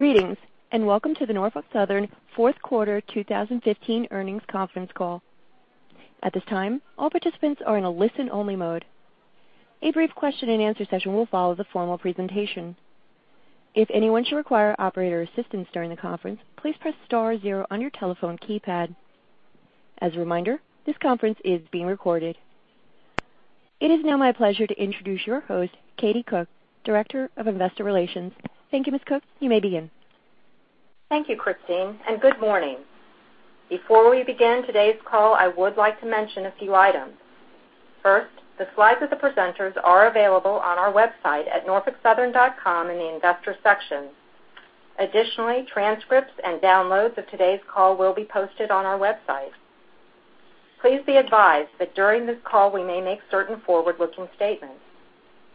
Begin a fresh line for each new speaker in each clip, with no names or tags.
Greetings, welcome to the Norfolk Southern fourth quarter 2015 earnings conference call. At this time, all participants are in a listen-only mode. A brief question and answer session will follow the formal presentation. If anyone should require operator assistance during the conference, please press star zero on your telephone keypad. As a reminder, this conference is being recorded. It is now my pleasure to introduce your host, Katie Cook, Director of Investor Relations. Thank you, Ms. Cook. You may begin.
Thank you, Christine, good morning. Before we begin today's call, I would like to mention a few items. First, the slides of the presenters are available on our website at norfolksouthern.com in the investor section. Additionally, transcripts and downloads of today's call will be posted on our website. Please be advised that during this call, we may make certain forward-looking statements.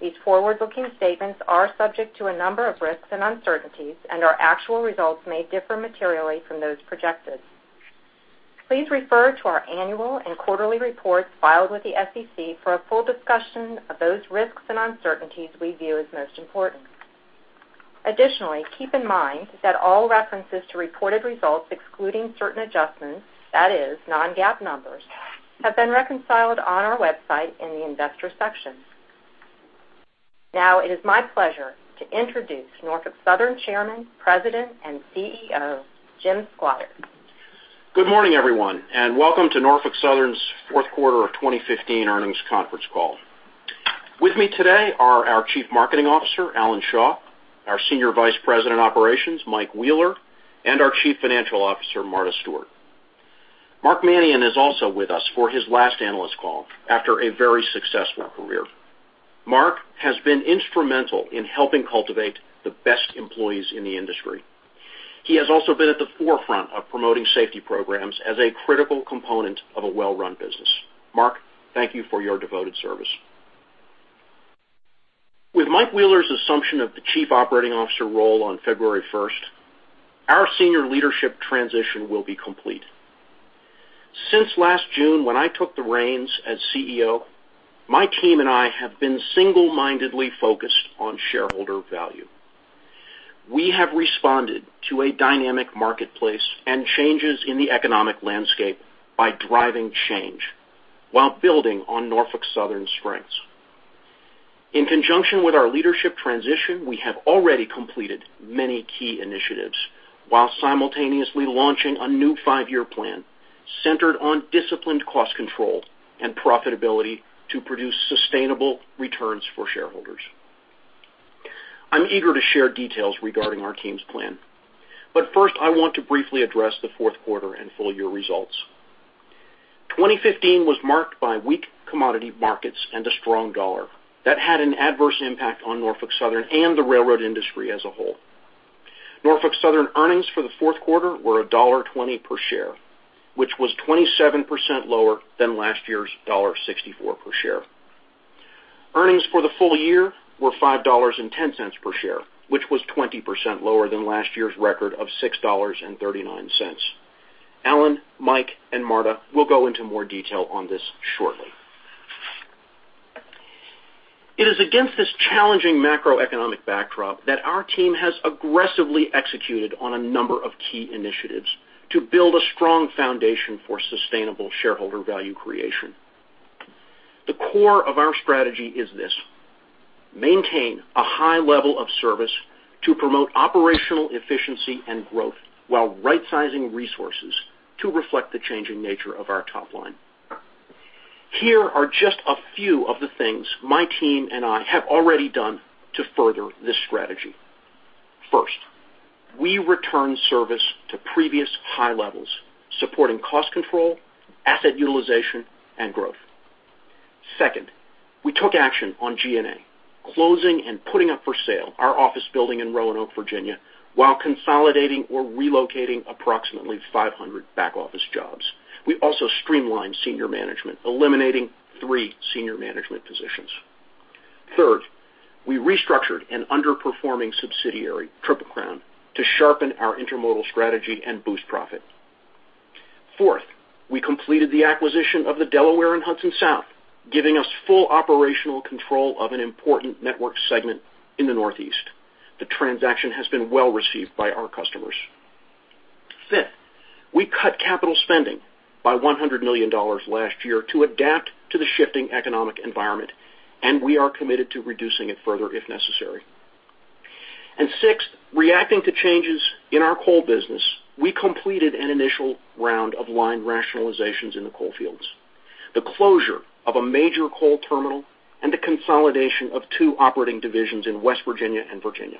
These forward-looking statements are subject to a number of risks and uncertainties, and our actual results may differ materially from those projected. Please refer to our annual and quarterly reports filed with the SEC for a full discussion of those risks and uncertainties we view as most important. Additionally, keep in mind that all references to reported results excluding certain adjustments, that is, non-GAAP numbers, have been reconciled on our website in the investor section. Now it is my pleasure to introduce Norfolk Southern Chairman, President, and CEO, Jim Squires.
Good morning, everyone, welcome to Norfolk Southern's fourth quarter of 2015 earnings conference call. With me today are our Chief Marketing Officer, Alan Shaw, our Senior Vice President of Operations, Mike Wheeler, and our Chief Financial Officer, Marta Stewart. Mark Manion is also with us for his last analyst call after a very successful career. Mark has been instrumental in helping cultivate the best employees in the industry. He has also been at the forefront of promoting safety programs as a critical component of a well-run business. Mark, thank you for your devoted service. With Mike Wheeler's assumption of the Chief Operating Officer role on February 1st, our senior leadership transition will be complete. Since last June, when I took the reins as CEO, my team and I have been single-mindedly focused on shareholder value. We have responded to a dynamic marketplace and changes in the economic landscape by driving change while building on Norfolk Southern strengths. In conjunction with our leadership transition, we have already completed many key initiatives while simultaneously launching a new five-year plan centered on disciplined cost control and profitability to produce sustainable returns for shareholders. I'm eager to share details regarding our team's plan, but first, I want to briefly address the fourth quarter and full-year results. 2015 was marked by weak commodity markets and a strong dollar that had an adverse impact on Norfolk Southern and the railroad industry as a whole. Norfolk Southern earnings for the fourth quarter were $1.20 per share, which was 27% lower than last year's $1.64 per share. Earnings for the full year were $5.10 per share, which was 20% lower than last year's record of $6.39. Alan, Mike, and Marta will go into more detail on this shortly. It is against this challenging macroeconomic backdrop that our team has aggressively executed on a number of key initiatives to build a strong foundation for sustainable shareholder value creation. The core of our strategy is this: maintain a high level of service to promote operational efficiency and growth while right-sizing resources to reflect the changing nature of our top line. Here are just a few of the things my team and I have already done to further this strategy. First, we returned service to previous high levels, supporting cost control, asset utilization, and growth. Second, we took action on G&A, closing and putting up for sale our office building in Roanoke, Virginia, while consolidating or relocating approximately 500 back-office jobs. We also streamlined senior management, eliminating three senior management positions. Third, we restructured an underperforming subsidiary, Triple Crown, to sharpen our intermodal strategy and boost profit. Fourth, we completed the acquisition of the Delaware & Hudson South, giving us full operational control of an important network segment in the Northeast. The transaction has been well received by our customers. Fifth, we cut capital spending by $100 million last year to adapt to the shifting economic environment, and we are committed to reducing it further if necessary. Sixth, reacting to changes in our coal business, we completed an initial round of line rationalizations in the coal fields, the closure of a major coal terminal, and the consolidation of two operating divisions in West Virginia and Virginia.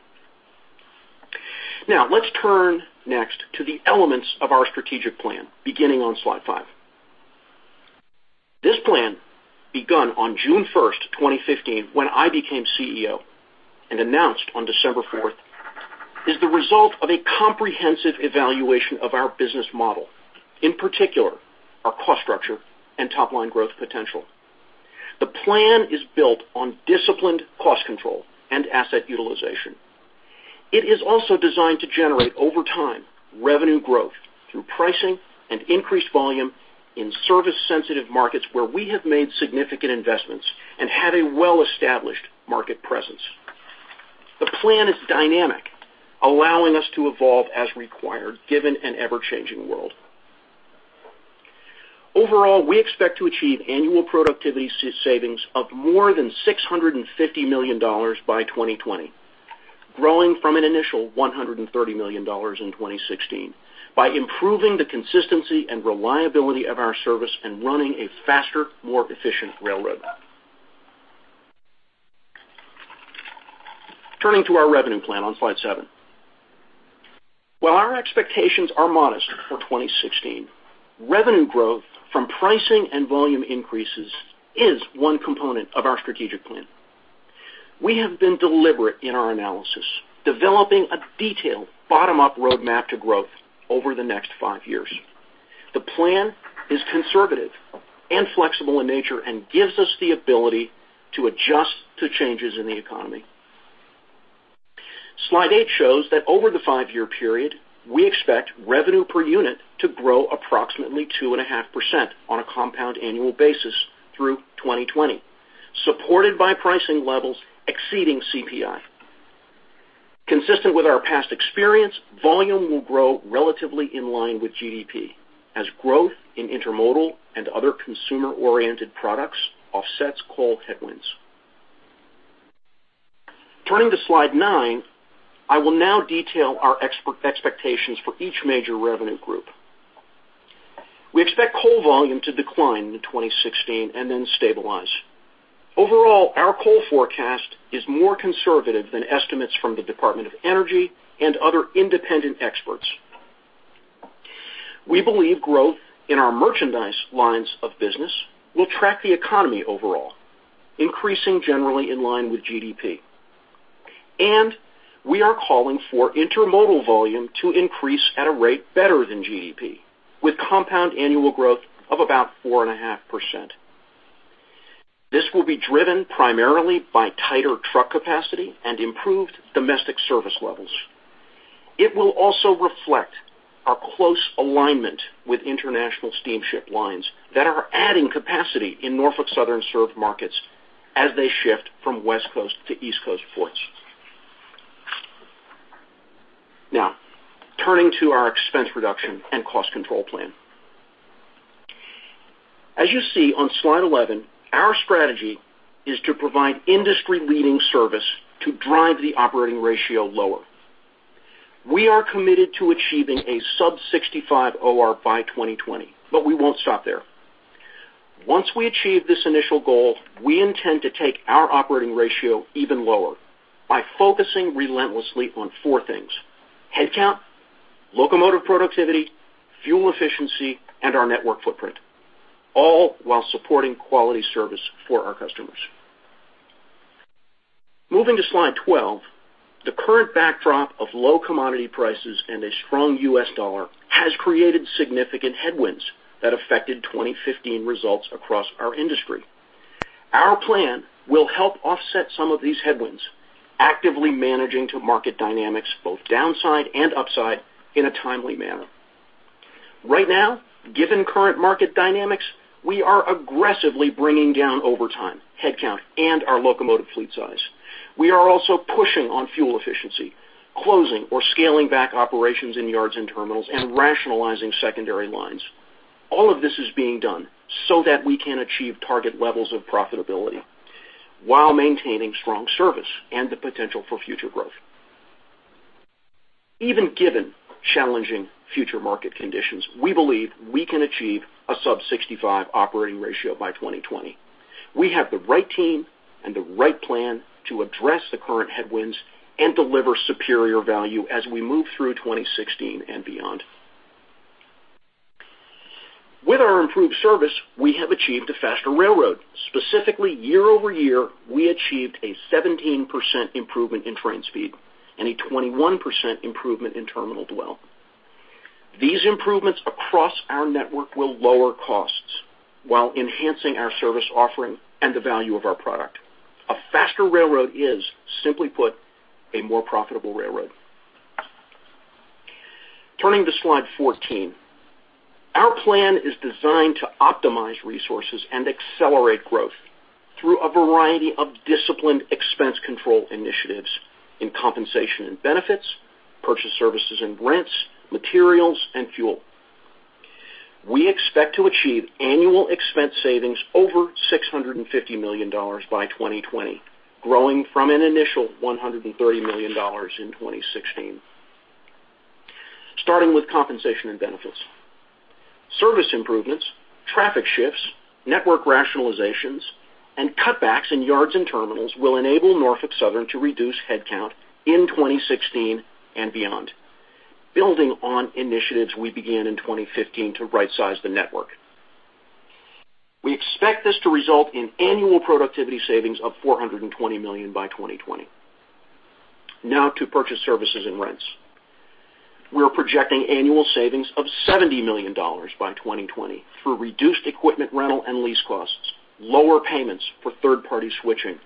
Now, let's turn next to the elements of our strategic plan beginning on slide five. This plan, begun on June 1st, 2015, when I became CEO, and announced on December 4th, is the result of a comprehensive evaluation of our business model, in particular, our cost structure and top-line growth potential. The plan is built on disciplined cost control and asset utilization. It is also designed to generate, over time, revenue growth through pricing and increased volume in service-sensitive markets where we have made significant investments and have a well-established market presence. The plan is dynamic, allowing us to evolve as required given an ever-changing world. Overall, we expect to achieve annual productivity savings of more than $650 million by 2020, growing from an initial $130 million in 2016, by improving the consistency and reliability of our service and running a faster, more efficient railroad. Turning to our revenue plan on slide seven. While our expectations are modest for 2016, revenue growth from pricing and volume increases is one component of our strategic plan. We have been deliberate in our analysis, developing a detailed bottom-up roadmap to growth over the next five years. The plan is conservative and flexible in nature and gives us the ability to adjust to changes in the economy. Slide eight shows that over the five-year period, we expect revenue per unit to grow approximately 2.5% on a compound annual basis through 2020, supported by pricing levels exceeding CPI. Consistent with our past experience, volume will grow relatively in line with GDP as growth in intermodal and other consumer-oriented products offsets coal headwinds. Turning to Slide nine, I will now detail our expectations for each major revenue group. We expect coal volume to decline in 2016 and then stabilize. Overall, our coal forecast is more conservative than estimates from the Department of Energy and other independent experts. We believe growth in our merchandise lines of business will track the economy overall, increasing generally in line with GDP. We are calling for intermodal volume to increase at a rate better than GDP, with compound annual growth of about 4.5%. This will be driven primarily by tighter truck capacity and improved domestic service levels. It will also reflect our close alignment with international steamship lines that are adding capacity in Norfolk Southern served markets as they shift from West Coast to East Coast ports. Turning to our expense reduction and cost control plan. As you see on Slide 11, our strategy is to provide industry-leading service to drive the operating ratio lower. We are committed to achieving a sub 65 OR by 2020. We won't stop there. Once we achieve this initial goal, we intend to take our operating ratio even lower by focusing relentlessly on four things: headcount, locomotive productivity, fuel efficiency, and our network footprint, all while supporting quality service for our customers. Moving to Slide 12, the current backdrop of low commodity prices and a strong U.S. dollar has created significant headwinds that affected 2015 results across our industry. Our plan will help offset some of these headwinds, actively managing to market dynamics, both downside and upside, in a timely manner. Right now, given current market dynamics, we are aggressively bringing down overtime, headcount, and our locomotive fleet size. We are also pushing on fuel efficiency, closing or scaling back operations in yards and terminals, and rationalizing secondary lines. All of this is being done so that we can achieve target levels of profitability while maintaining strong service and the potential for future growth. Even given challenging future market conditions, we believe we can achieve a sub 65 operating ratio by 2020. We have the right team and the right plan to address the current headwinds and deliver superior value as we move through 2016 and beyond. With our improved service, we have achieved a faster railroad. Specifically, year-over-year, we achieved a 17% improvement in train speed and a 21% improvement in terminal dwell. These improvements across our network will lower costs while enhancing our service offering and the value of our product. A faster railroad is, simply put, a more profitable railroad. Turning to Slide 14. Our plan is designed to optimize resources and accelerate growth through a variety of disciplined expense control initiatives in compensation and benefits, purchase services and rents, materials, and fuel. We expect to achieve annual expense savings over $650 million by 2020, growing from an initial $130 million in 2016. Starting with compensation and benefits. Service improvements, traffic shifts, network rationalizations, and cutbacks in yards and terminals will enable Norfolk Southern to reduce headcount in 2016 and beyond, building on initiatives we began in 2015 to rightsize the network. We expect this to result in annual productivity savings of $420 million by 2020. Now to purchase services and rents. We are projecting annual savings of $70 million by 2020 through reduced equipment rental and lease costs, lower payments for third-party switching,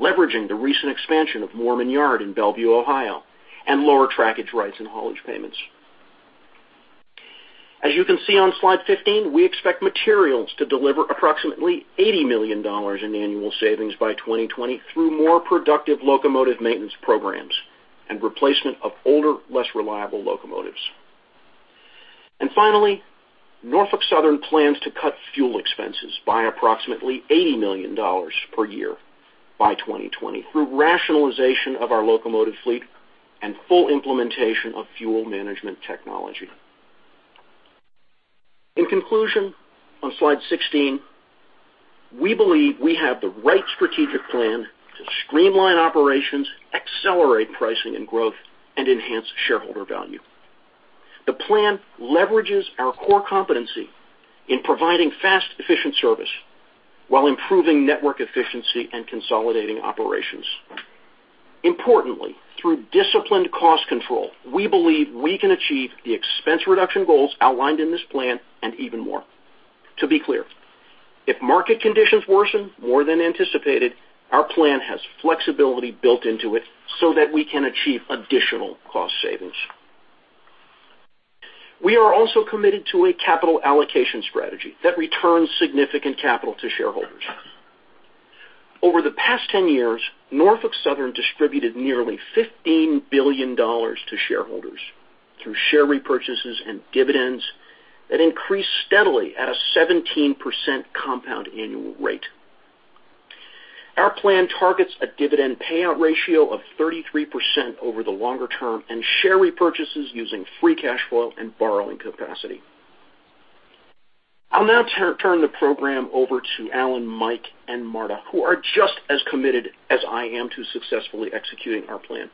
leveraging the recent expansion of Moorman Yard in Bellevue, Ohio. Lower trackage rights and haulage payments. As you can see on slide 15, we expect materials to deliver approximately $80 million in annual savings by 2020 through more productive locomotive maintenance programs and replacement of older, less reliable locomotives. Finally, Norfolk Southern plans to cut fuel expenses by approximately $80 million per year by 2020 through rationalization of our locomotive fleet and full implementation of fuel management technology. In conclusion, on slide 16, we believe we have the right strategic plan to streamline operations, accelerate pricing and growth, and enhance shareholder value. The plan leverages our core competency in providing fast, efficient service while improving network efficiency and consolidating operations. Importantly, through disciplined cost control, we believe we can achieve the expense reduction goals outlined in this plan, and even more. To be clear, if market conditions worsen more than anticipated, our plan has flexibility built into it so that we can achieve additional cost savings. We are also committed to a capital allocation strategy that returns significant capital to shareholders. Over the past 10 years, Norfolk Southern distributed nearly $15 billion to shareholders through share repurchases and dividends that increased steadily at a 17% compound annual rate. Our plan targets a dividend payout ratio of 33% over the longer term and share repurchases using free cash flow and borrowing capacity. I'll now turn the program over to Alan, Mike, and Marta, who are just as committed as I am to successfully executing our plan.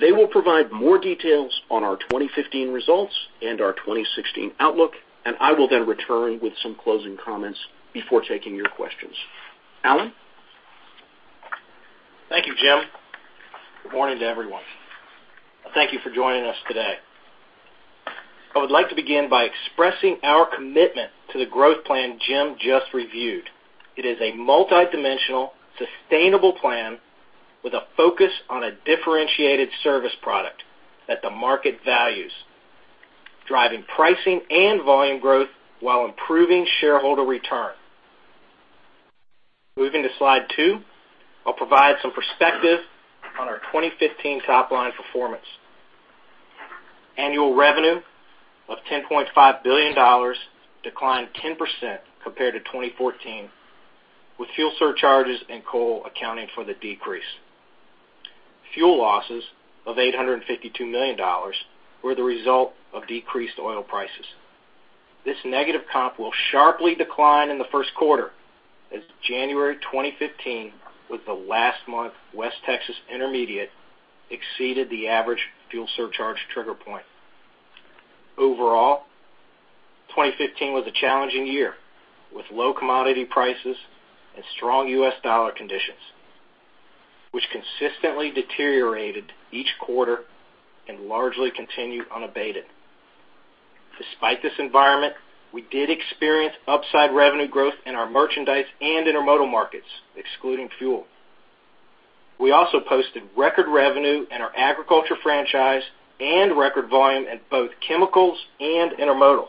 They will provide more details on our 2015 results and our 2016 outlook, and I will then return with some closing comments before taking your questions. Alan?
Thank you, Jim. Good morning to everyone. Thank you for joining us today. I would like to begin by expressing our commitment to the growth plan Jim just reviewed. It is a multidimensional, sustainable plan with a focus on a differentiated service product that the market values, driving pricing and volume growth while improving shareholder return. Moving to slide two, I'll provide some perspective on our 2015 top-line performance. Annual revenue of $10.5 billion declined 10% compared to 2014, with fuel surcharges and coal accounting for the decrease. Fuel losses of $852 million were the result of decreased oil prices. This negative comp will sharply decline in the first quarter, as January 2015 was the last month West Texas Intermediate exceeded the average fuel surcharge trigger point. Overall, 2015 was a challenging year, with low commodity prices and strong U.S. dollar conditions, which consistently deteriorated each quarter and largely continued unabated. Despite this environment, we did experience upside revenue growth in our merchandise and intermodal markets, excluding fuel. We also posted record revenue in our agriculture franchise and record volume in both chemicals and intermodal.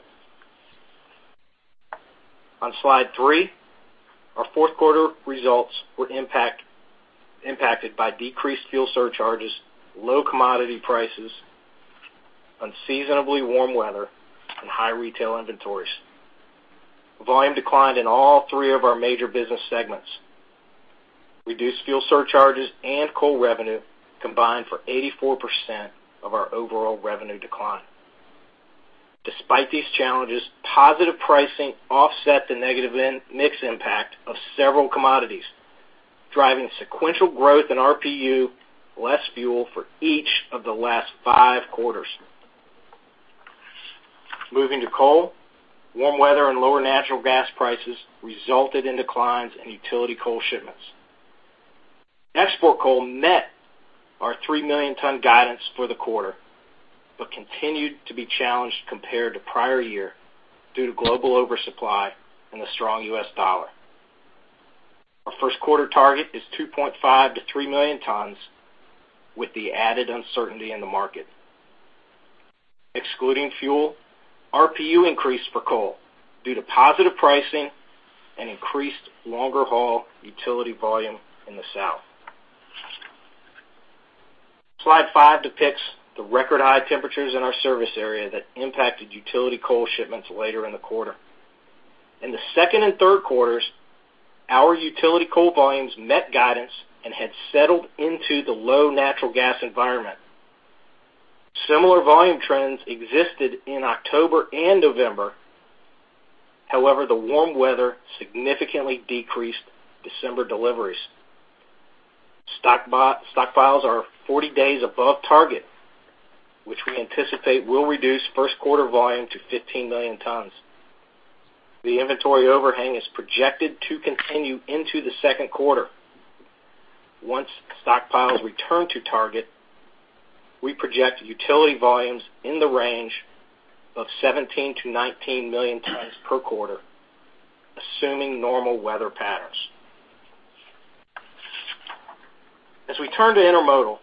On slide three, our fourth quarter results were impacted by decreased fuel surcharges, low commodity prices, unseasonably warm weather, and high retail inventories. Volume declined in all three of our major business segments. Reduced fuel surcharges and coal revenue combined for 84% of our overall revenue decline. Despite these challenges, positive pricing offset the negative mix impact of several commodities, driving sequential growth in RPU less fuel for each of the last five quarters. Moving to coal, warm weather and lower natural gas prices resulted in declines in utility coal shipments. Export coal met our 3 million ton guidance for the quarter, but continued to be challenged compared to prior year due to global oversupply and the strong U.S. dollar. Our first quarter target is 2.5 million-3 million tons, with the added uncertainty in the market. Excluding fuel, RPU increased for coal due to positive pricing and increased longer-haul utility volume in the south. Slide five depicts the record high temperatures in our service area that impacted utility coal shipments later in the quarter. In the second and third quarters, our utility coal volumes met guidance and had settled into the low natural gas environment. Similar volume trends existed in October and November. However, the warm weather significantly decreased December deliveries. Stockpiles are 40 days above target, which we anticipate will reduce first quarter volume to 15 million tons. The inventory overhang is projected to continue into the second quarter. Once stockpiles return to target, we project utility volumes in the range of 17 million-19 million tons per quarter assuming normal weather patterns. As we turn to intermodal,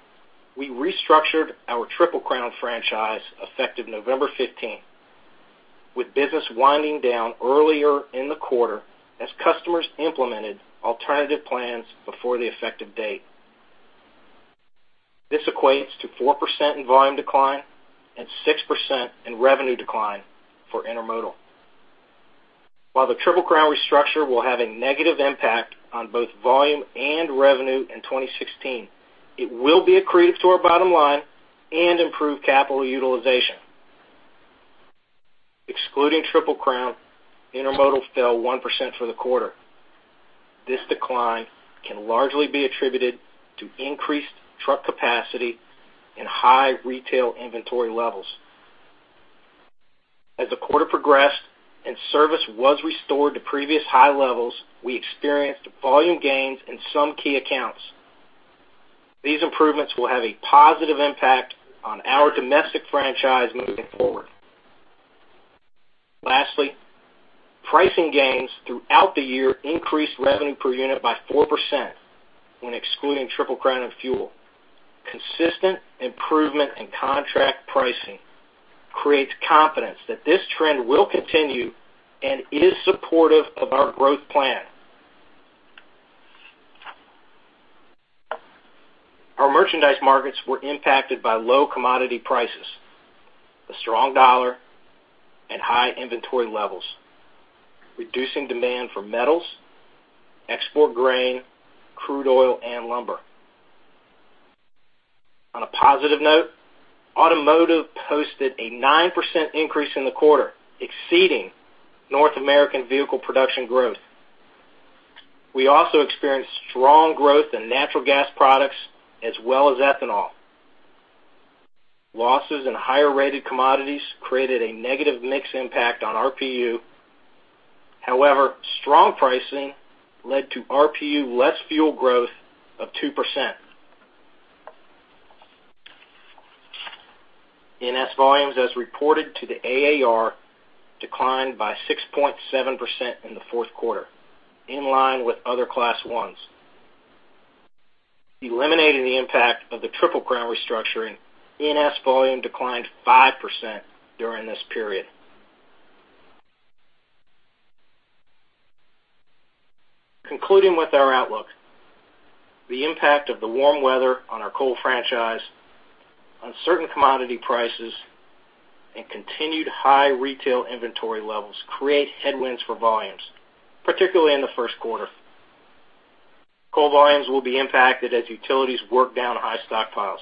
we restructured our Triple Crown franchise effective November 15, with business winding down earlier in the quarter as customers implemented alternative plans before the effective date. This equates to 4% in volume decline and 6% in revenue decline for intermodal. While the Triple Crown restructure will have a negative impact on both volume and revenue in 2016, it will be accretive to our bottom line and improve capital utilization. Excluding Triple Crown, intermodal fell 1% for the quarter. This decline can largely be attributed to increased truck capacity and high retail inventory levels. As the quarter progressed and service was restored to previous high levels, we experienced volume gains in some key accounts. These improvements will have a positive impact on our domestic franchise moving forward. Lastly, pricing gains throughout the year increased revenue per unit by 4% when excluding Triple Crown and fuel. Consistent improvement in contract pricing creates confidence that this trend will continue and is supportive of our growth plan. Our merchandise markets were impacted by low commodity prices, the strong dollar, and high inventory levels, reducing demand for metals, export grain, crude oil, and lumber. On a positive note, automotive posted a 9% increase in the quarter, exceeding North American vehicle production growth. We also experienced strong growth in natural gas products, as well as ethanol. Losses in higher-rated commodities created a negative mix impact on RPU. However, strong pricing led to RPU less fuel growth of 2%. NS volumes as reported to the AAR declined by 6.7% in the fourth quarter, in line with other Class Is. Eliminating the impact of the Triple Crown restructuring, NS volume declined 5% during this period. Concluding with our outlook, the impact of the warm weather on our coal franchise, uncertain commodity prices, and continued high retail inventory levels create headwinds for volumes, particularly in the first quarter. Coal volumes will be impacted as utilities work down high stockpiles.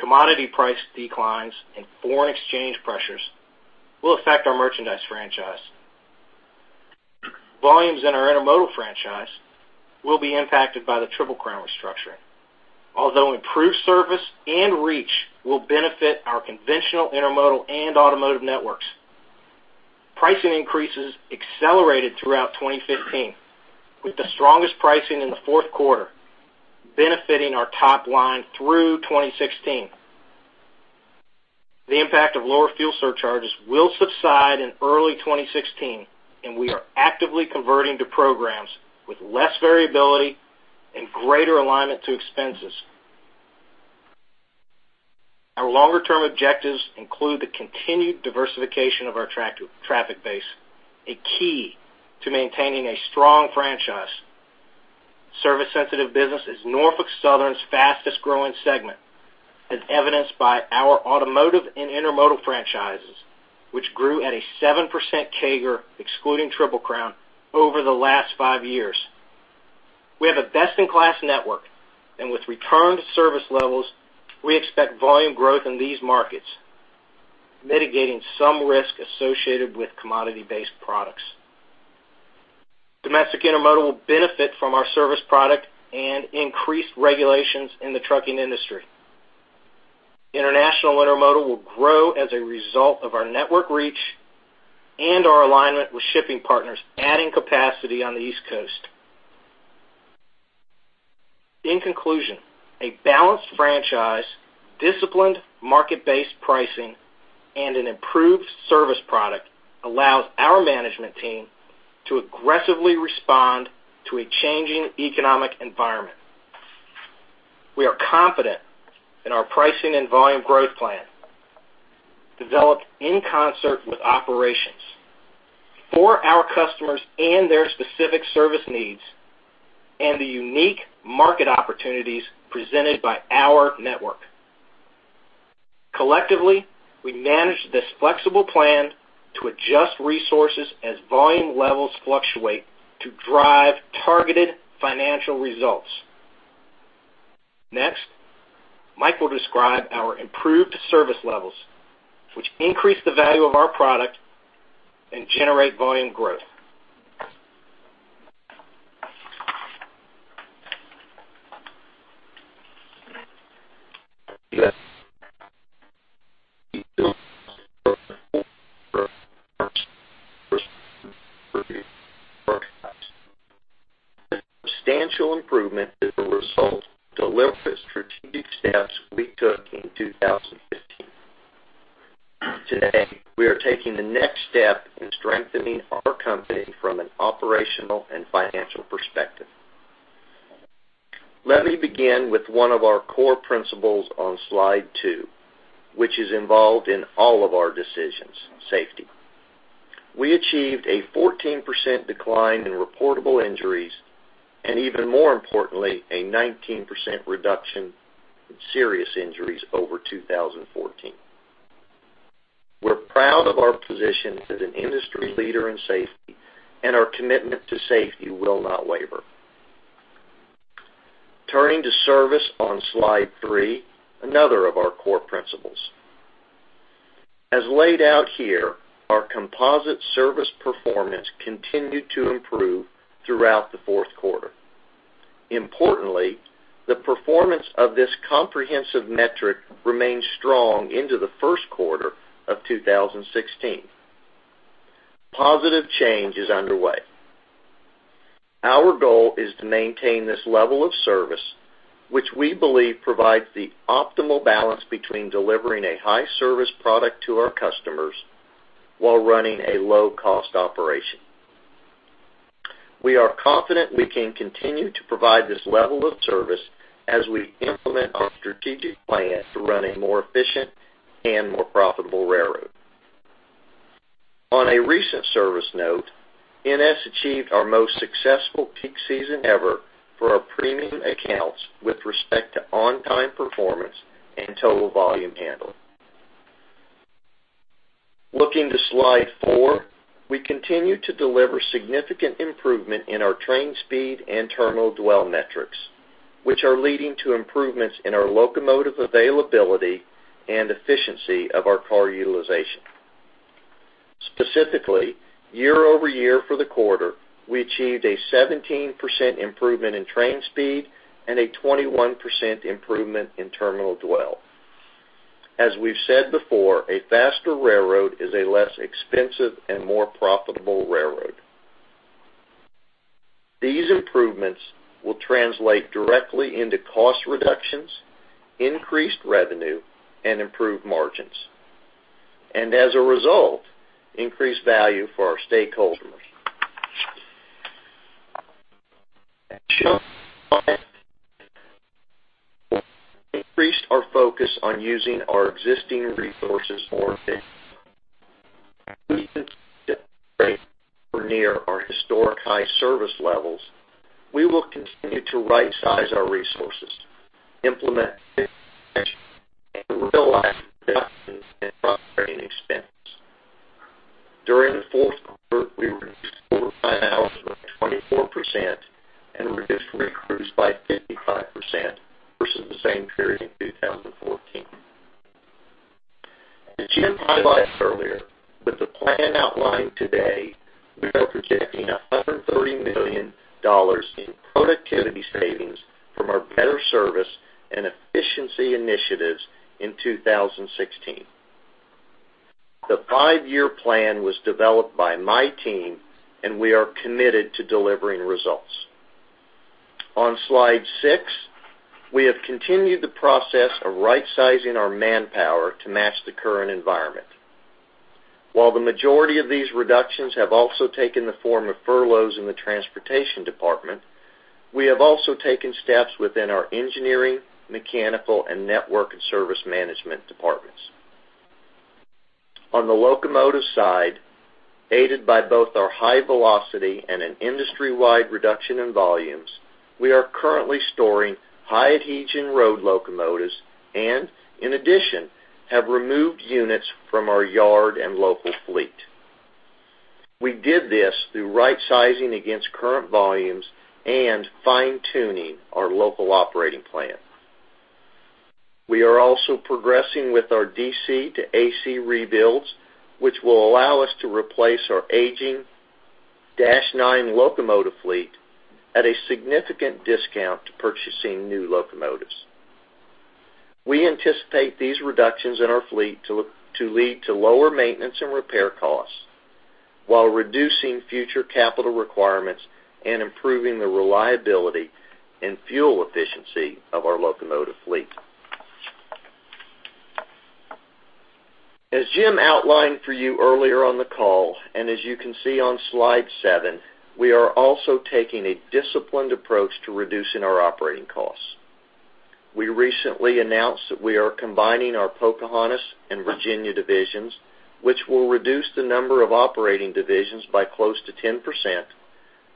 Commodity price declines and foreign exchange pressures will affect our merchandise franchise. Volumes in our intermodal franchise will be impacted by the Triple Crown restructuring. Although improved service and reach will benefit our conventional intermodal and automotive networks, pricing increases accelerated throughout 2015, with the strongest pricing in the fourth quarter benefiting our top line through 2016. The impact of lower fuel surcharges will subside in early 2016. We are actively converting to programs with less variability and greater alignment to expenses. Our longer-term objectives include the continued diversification of our traffic base, a key to maintaining a strong franchise. Service-sensitive business is Norfolk Southern's fastest-growing segment, as evidenced by our automotive and intermodal franchises, which grew at a 7% CAGR, excluding Triple Crown, over the last five years. With return to service levels, we expect volume growth in these markets, mitigating some risk associated with commodity-based products. Domestic intermodal will benefit from our service product and increased regulations in the trucking industry. International intermodal will grow as a result of our network reach and our alignment with shipping partners adding capacity on the East Coast. In conclusion, a balanced franchise, disciplined market-based pricing, and an improved service product allows our management team to aggressively respond to a changing economic environment. We are confident in our pricing and volume growth plan, developed in concert with operations for our customers and their specific service needs and the unique market opportunities presented by our network. Collectively, we manage this flexible plan to adjust resources as volume levels fluctuate to drive targeted financial results. Next, Mike will describe our improved service levels, which increase the value of our product and generate volume growth.
Yes. Substantial improvement is the result of deliberate strategic steps we took in 2015. Today, we are taking the next step in strengthening our company from an operational and financial perspective. Let me begin with one of our core principles on Slide two, which is involved in all of our decisions, safety. We achieved a 14% decline in reportable injuries. Even more importantly, a 19% reduction in serious injuries over 2014. We're proud of our position as an industry leader in safety. Our commitment to safety will not waver. Turning to service on Slide three, another of our core principles. As laid out here, our composite service performance continued to improve throughout the fourth quarter. Importantly, the performance of this comprehensive metric remained strong into the first quarter of 2016. Positive change is underway. Our goal is to maintain this level of service, which we believe provides the optimal balance between delivering a high service product to our customers while running a low-cost operation. We are confident we can continue to provide this level of service as we implement our strategic plan to run a more efficient and more profitable railroad. On a recent service note, NS achieved our most successful peak season ever for our premium accounts with respect to on-time performance and total volume handling. Looking to Slide 4, we continue to deliver significant improvement in our train speed and terminal dwell metrics, which are leading to improvements in our locomotive availability and efficiency of our car utilization. Specifically, year-over-year for the quarter, we achieved a 17% improvement in train speed and a 21% improvement in terminal dwell. As we've said before, a faster railroad is a less expensive and more profitable railroad. These improvements will translate directly into cost reductions, increased revenue, and improved margins. As a result, increased value for our stakeholders. Increased our focus on using our existing resources more efficiently. While at or near our historic high service levels, we will continue to rightsize our resources, implement and operating expense. During the fourth quarter, we reduced horsepower hours by 24% and reduced crews by 55% versus the same period in 2014. As Jim highlighted earlier, with the plan outlined today, we are projecting $130 million in productivity savings from our better service and efficiency initiatives in 2016. The five-year plan was developed by my team, and we are committed to delivering results. On Slide 6, we have continued the process of rightsizing our manpower to match the current environment. While the majority of these reductions have also taken the form of furloughs in the transportation department, we have also taken steps within our engineering, mechanical, and network and service management departments. On the locomotive side, aided by both our high velocity and an industry-wide reduction in volumes, we are currently storing high adhesion road locomotives and, in addition, have removed units from our yard and local fleet. We did this through rightsizing against current volumes and fine-tuning our local operating plan. We are also progressing with the DC to AC rebuilds, which will allow us to replace our aging Dash 9 locomotive fleet at a significant discount to purchasing new locomotives. We anticipate these reductions in our fleet to lead to lower maintenance and repair costs while reducing future capital requirements and improving the reliability and fuel efficiency of our locomotive fleet. As Jim outlined for you earlier on the call, and as you can see on Slide 7, we are also taking a disciplined approach to reducing our operating costs. We recently announced that we are combining our Pocahontas and Virginia divisions, which will reduce the number of operating divisions by close to 10%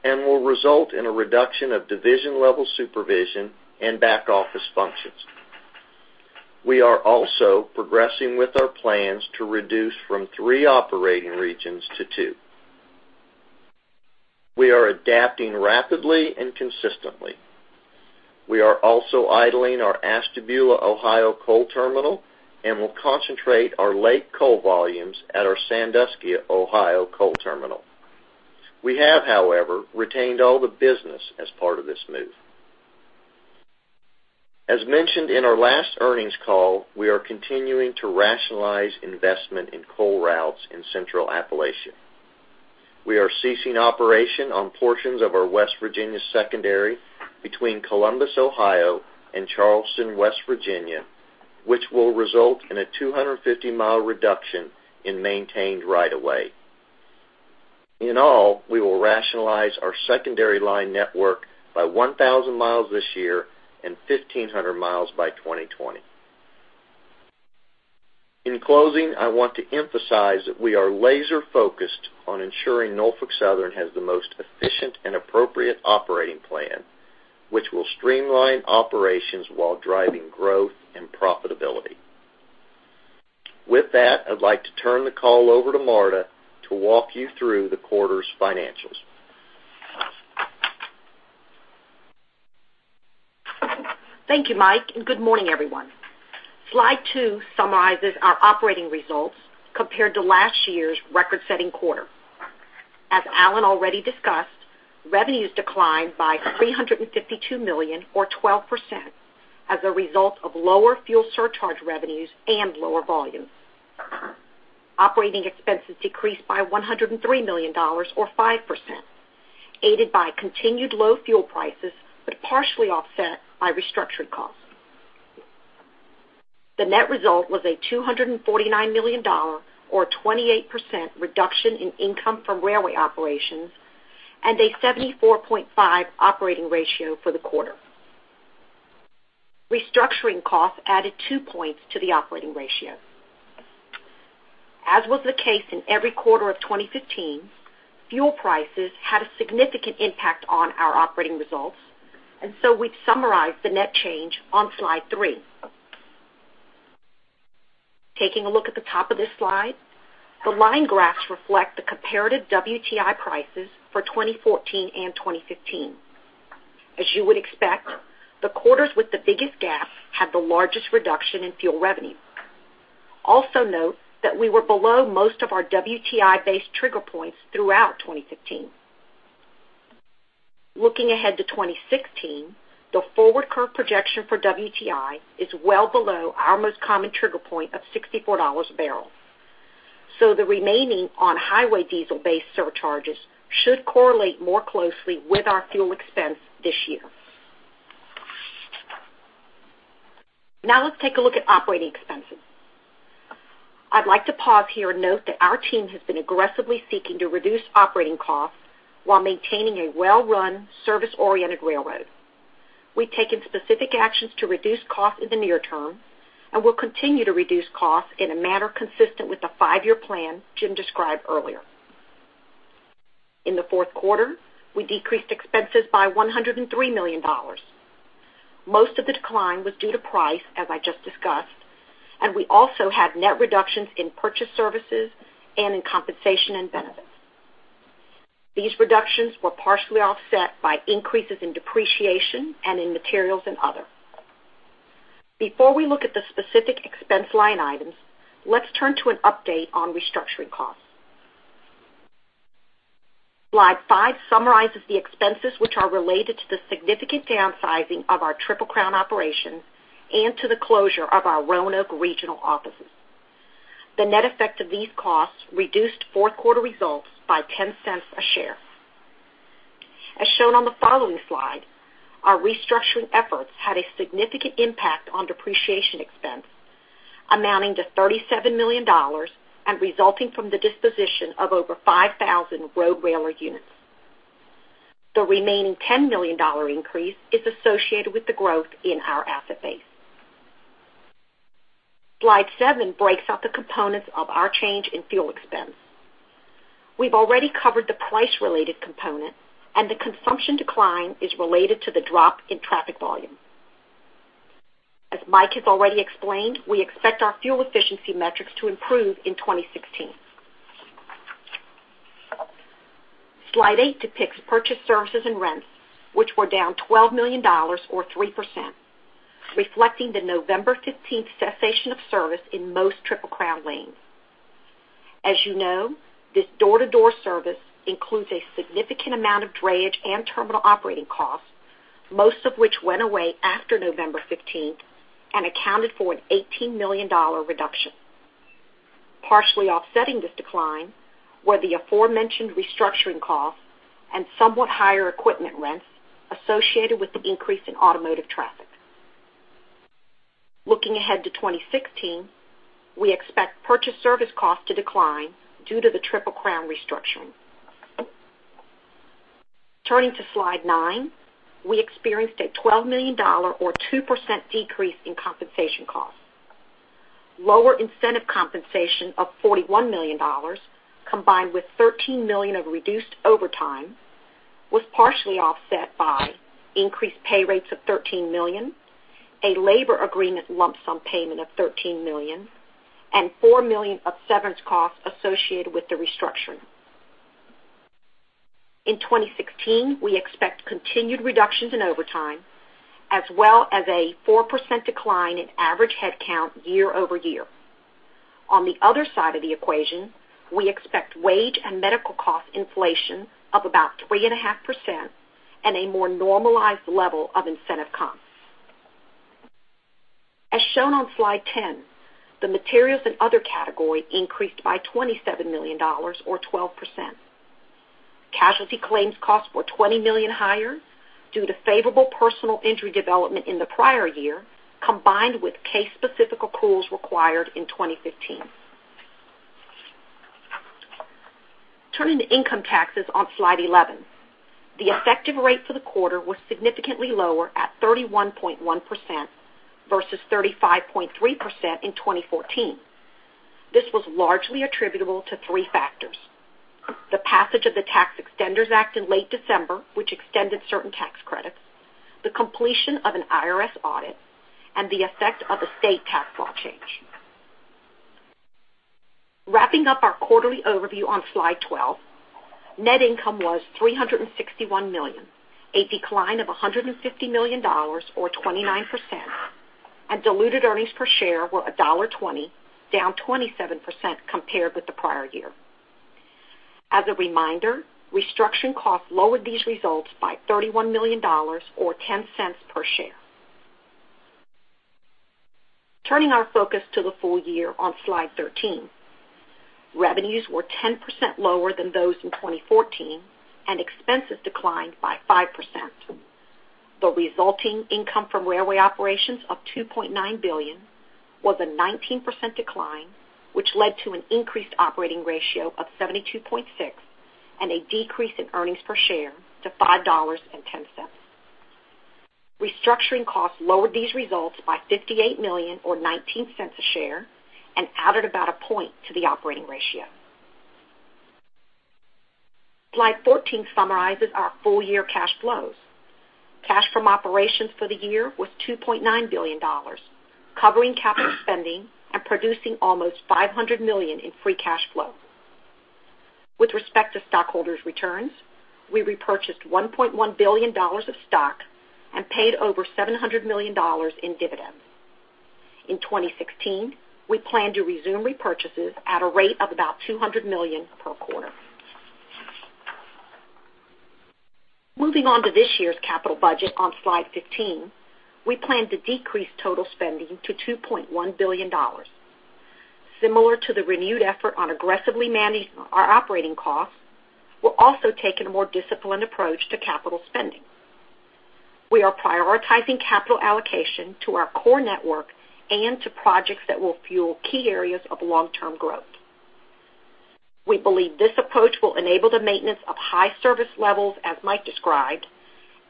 and will result in a reduction of division-level supervision and back-office functions. We are also progressing with our plans to reduce from three operating regions to two. We are adapting rapidly and consistently. We are also idling our Ashtabula, Ohio, coal terminal and will concentrate our lake coal volumes at our Sandusky, Ohio, coal terminal. We have, however, retained all the business as part of this move. As mentioned in our last earnings call, we are continuing to rationalize investment in coal routes in Central Appalachia. We are ceasing operation on portions of our West Virginia secondary between Columbus, Ohio, and Charleston, West Virginia, which will result in a 250-mile reduction in maintained right of way. In all, we will rationalize our secondary line network by 1,000 miles this year and 1,500 miles by 2020. In closing, I want to emphasize that we are laser-focused on ensuring Norfolk Southern has the most efficient and appropriate operating plan, which will streamline operations while driving growth and profitability. With that, I'd like to turn the call over to Marta to walk you through the quarter's financials.
Thank you, Mike, and good morning, everyone. Slide two summarizes our operating results compared to last year's record-setting quarter. As Alan already discussed, revenues declined by $352 million or 12% as a result of lower fuel surcharge revenues and lower volumes. Operating expenses decreased by $103 million or 5%, aided by continued low fuel prices, but partially offset by restructuring costs. The net result was a $249 million or a 28% reduction in income from railway operations and a 74.5 operating ratio for the quarter. Restructuring costs added two points to the operating ratio. As was the case in every quarter of 2015, fuel prices had a significant impact on our operating results. We've summarized the net change on slide three. Taking a look at the top of this slide, the line graphs reflect the comparative WTI prices for 2014 and 2015. As you would expect, the quarters with the biggest gap had the largest reduction in fuel revenue. Also note that we were below most of our WTI-based trigger points throughout 2015. Looking ahead to 2016, the forward curve projection for WTI is well below our most common trigger point of $64 a barrel. The remaining on highway diesel-based surcharges should correlate more closely with our fuel expense this year. Now let's take a look at operating expenses. I'd like to pause here and note that our team has been aggressively seeking to reduce operating costs while maintaining a well-run, service-oriented railroad. We've taken specific actions to reduce costs in the near term and will continue to reduce costs in a manner consistent with the five-year plan Jim described earlier. In the fourth quarter, we decreased expenses by $103 million. Most of the decline was due to price, as I just discussed. We also had net reductions in purchase services and in compensation and benefits. These reductions were partially offset by increases in depreciation and in materials and other. Before we look at the specific expense line items, let's turn to an update on restructuring costs. Slide five summarizes the expenses, which are related to the significant downsizing of our Triple Crown operations and to the closure of our Roanoke regional offices. The net effect of these costs reduced fourth quarter results by $0.10 a share. As shown on the following slide, our restructuring efforts had a significant impact on depreciation expense, amounting to $37 million and resulting from the disposition of over 5,000 RoadRailer units. The remaining $10 million increase is associated with the growth in our asset base. Slide seven breaks out the components of our change in fuel expense. We've already covered the price-related component, and the consumption decline is related to the drop in traffic volume. As Mike has already explained, we expect our fuel efficiency metrics to improve in 2016. Slide eight depicts purchased services and rents, which were down $12 million or 3%, reflecting the November 15th cessation of service in most Triple Crown lanes. As you know, this door-to-door service includes a significant amount of drayage and terminal operating costs, most of which went away after November 15th and accounted for an $18 million reduction. Partially offsetting this decline were the aforementioned restructuring costs and somewhat higher equipment rents associated with the increase in automotive traffic. Looking ahead to 2016, we expect purchase service costs to decline due to the Triple Crown restructuring. Turning to slide nine, we experienced a $12 million or 2% decrease in compensation costs. Lower incentive compensation of $41 million, combined with $13 million of reduced overtime, was partially offset by increased pay rates of $13 million, a labor agreement lump sum payment of $13 million, and $4 million of severance costs associated with the restructuring. In 2016, we expect continued reductions in overtime, as well as a 4% decline in average headcount year-over-year. On the other side of the equation, we expect wage and medical cost inflation of about 3.5% and a more normalized level of incentive comps. As shown on slide 10, the materials and other category increased by $27 million or 12%. Casualty claims costs were $20 million higher due to favorable personal injury development in the prior year, combined with case-specific accruals required in 2015. Turning to income taxes on slide 11. The effective rate for the quarter was significantly lower at 31.1% versus 35.3% in 2014. This was largely attributable to three factors: the passage of the Tax Extenders Act in late December, which extended certain tax credits, the completion of an IRS audit, and the effect of a state tax law change. Wrapping up our quarterly overview on slide 12, net income was $361 million, a decline of $150 million or 29%, and diluted earnings per share were $1.20, down 27% compared with the prior year. As a reminder, restructuring costs lowered these results by $31 million or $0.10 per share. Turning our focus to the full year on slide 13. The resulting income from railway operations of $2.9 billion was a 19% decline, which led to an increased operating ratio of 72.6 and a decrease in earnings per share to $5.10. Restructuring costs lowered these results by $58 million or $0.19 a share and added about a point to the operating ratio. Slide 14 summarizes our full-year cash flows. Cash from operations for the year was $2.9 billion, covering capital spending and producing almost $500 million in free cash flow. With respect to stockholders' returns, we repurchased $1.1 billion of stock and paid over $700 million in dividends. In 2016, we plan to resume repurchases at a rate of about $200 million per quarter. Moving on to this year's capital budget on slide 15, we plan to decrease total spending to $2.1 billion. Similar to the renewed effort on aggressively managing our operating costs, we're also taking a more disciplined approach to capital spending. We are prioritizing capital allocation to our core network and to projects that will fuel key areas of long-term growth. We believe this approach will enable the maintenance of high service levels, as Mike described,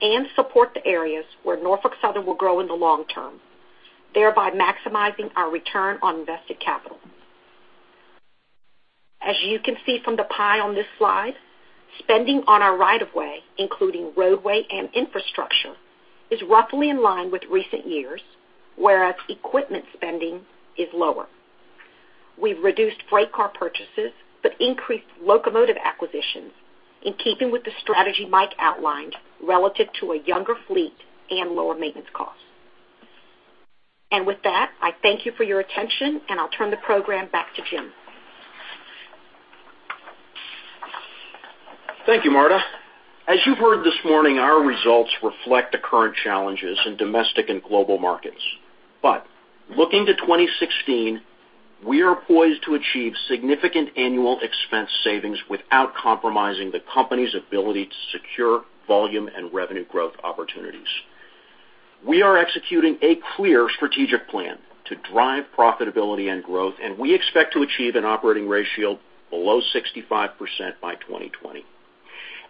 and support the areas where Norfolk Southern will grow in the long term, thereby maximizing our return on invested capital. As you can see from the pie on this slide, spending on our right of way, including roadway and infrastructure, is roughly in line with recent years, whereas equipment spending is lower. We've reduced freight car purchases but increased locomotive acquisitions in keeping with the strategy Mike outlined relative to a younger fleet and lower maintenance costs. With that, I thank you for your attention, and I'll turn the program back to Jim.
Thank you, Marta. As you've heard this morning, our results reflect the current challenges in domestic and global markets. Looking to 2016, we are poised to achieve significant annual expense savings without compromising the company's ability to secure volume and revenue growth opportunities. We are executing a clear strategic plan to drive profitability and growth, and we expect to achieve an operating ratio below 65% by 2020.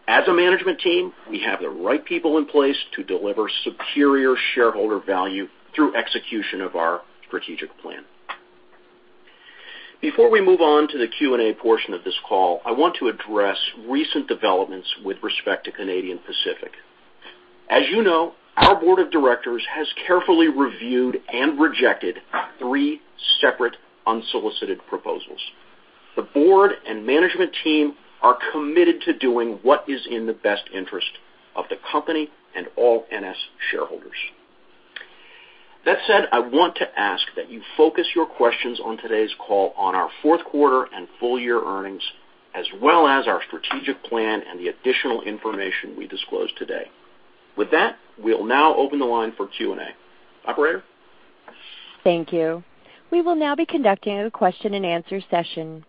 As a management team, we have the right people in place to deliver superior shareholder value through execution of our strategic plan. Before we move on to the Q&A portion of this call, I want to address recent developments with respect to Canadian Pacific. As you know, our board of directors has carefully reviewed and rejected three separate unsolicited proposals. The board and management team are committed to doing what is in the best interest of the company and all NS shareholders. That said, I want to ask that you focus your questions on today's call on our fourth quarter and full-year earnings, as well as our strategic plan and the additional information we disclosed today. With that, we'll now open the line for Q&A. Operator?
Thank you. We will now be conducting a question-and-answer session.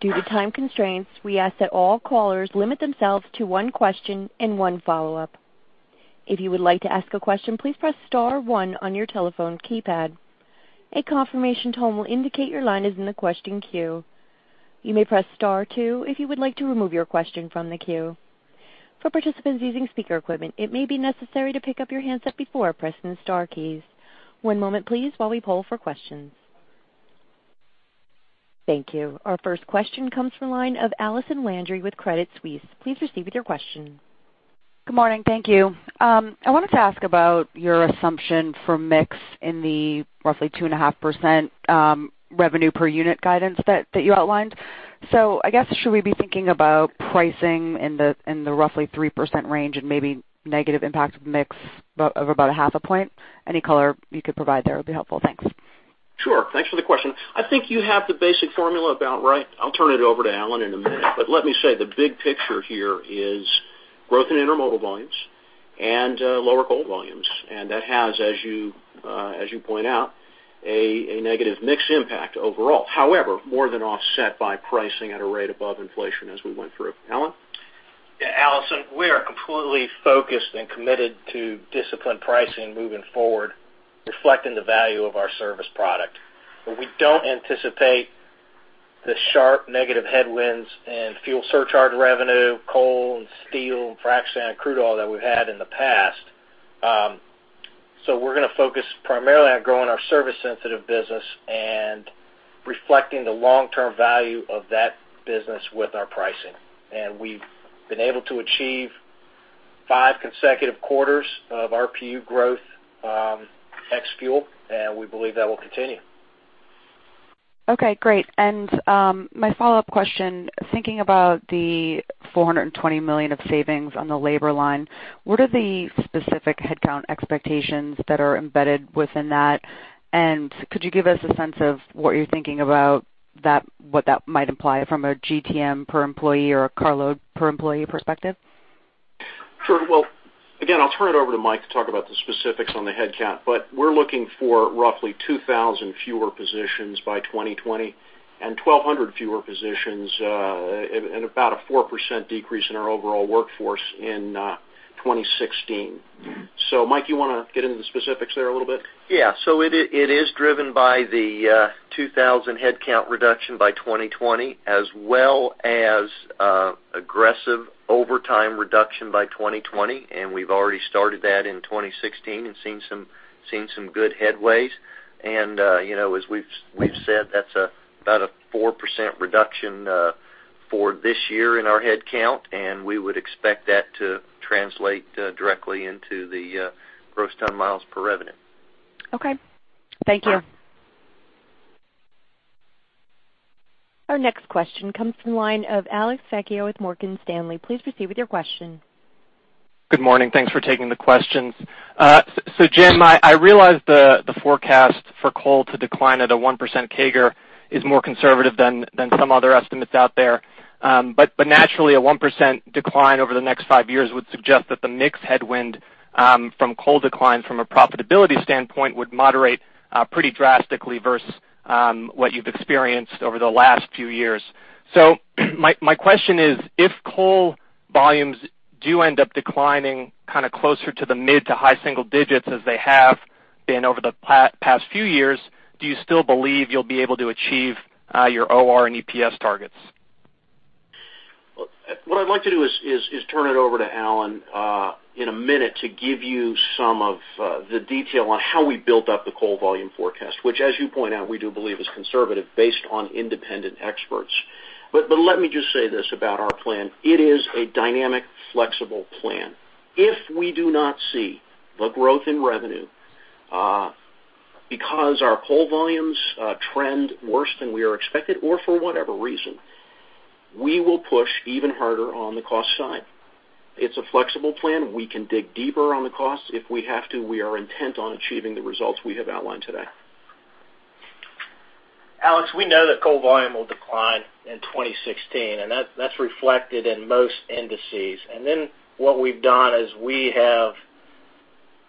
Due to time constraints, we ask that all callers limit themselves to one question and one follow-up. If you would like to ask a question, please press star one on your telephone keypad. A confirmation tone will indicate your line is in the question queue. You may press star two if you would like to remove your question from the queue. For participants using speaker equipment, it may be necessary to pick up your handset before pressing the star keys. One moment please while we poll for questions. Thank you. Our first question comes from the line of Allison Landry with Credit Suisse. Please proceed with your question.
Good morning. Thank you. I wanted to ask about your assumption for mix in the roughly 2.5% revenue per unit guidance that you outlined. I guess, should we be thinking about pricing in the roughly 3% range and maybe negative impact of mix of about a half a point? Any color you could provide there would be helpful. Thanks.
Sure. Thanks for the question. I think you have the basic formula about right. I'll turn it over to Alan in a minute, but let me say, the big picture here is growth in intermodal volumes and lower coal volumes. That has, as you point out, a negative mix impact overall. However, more than offset by pricing at a rate above inflation as we went through. Alan?
Yeah, Allison, we are completely focused and committed to disciplined pricing moving forward, reflecting the value of our service product, where we don't anticipate the sharp negative headwinds in fuel surcharge revenue, coal and steel, fractionated crude oil that we've had in the past. We're going to focus primarily on growing our service sensitive business and reflecting the long-term value of that business with our pricing. We've been able to achieve five consecutive quarters of RPU growth ex-fuel, and we believe that will continue.
Okay, great. My follow-up question, thinking about the $420 million of savings on the labor line, what are the specific headcount expectations that are embedded within that? Could you give us a sense of what you're thinking about what that might imply from a GTM per employee or a carload per employee perspective?
Sure. Again, I'll turn it over to Mike to talk about the specifics on the headcount, but we're looking for roughly 2,000 fewer positions by 2020 and 1,200 fewer positions and about a 4% decrease in our overall workforce in 2016. Mike, you want to get into the specifics there a little bit?
Yeah. It is driven by the 2,000 headcount reduction by 2020, as well as aggressive overtime reduction by 2020. We've already started that in 2016 and seen some good headways. As we've said, that's about a 4% reduction for this year in our headcount, and we would expect that to translate directly into the gross ton miles per revenue.
Okay. Thank you.
Our next question comes from the line of Alexander Vecchio with Morgan Stanley. Please proceed with your question.
Good morning. Thanks for taking the questions. Jim, I realize the forecast for coal to decline at a 1% CAGR is more conservative than some other estimates out there. Naturally, a 1% decline over the next 5 years would suggest that the mix headwind from coal decline from a profitability standpoint would moderate pretty drastically versus what you've experienced over the last few years. My question is, if coal volumes do end up declining closer to the mid to high single digits as they have been over the past few years, do you still believe you'll be able to achieve your OR and EPS targets?
What I'd like to do is turn it over to Alan in a minute to give you some of the detail on how we built up the coal volume forecast, which as you point out, we do believe is conservative based on independent experts. Let me just say this about our plan. It is a dynamic, flexible plan. If we do not see the growth in revenue because our coal volumes trend worse than we are expected or for whatever reason, we will push even harder on the cost side. It's a flexible plan. We can dig deeper on the cost if we have to. We are intent on achieving the results we have outlined today.
Alex, we know that coal volume will decline in 2016, that's reflected in most indices. What we've done is we have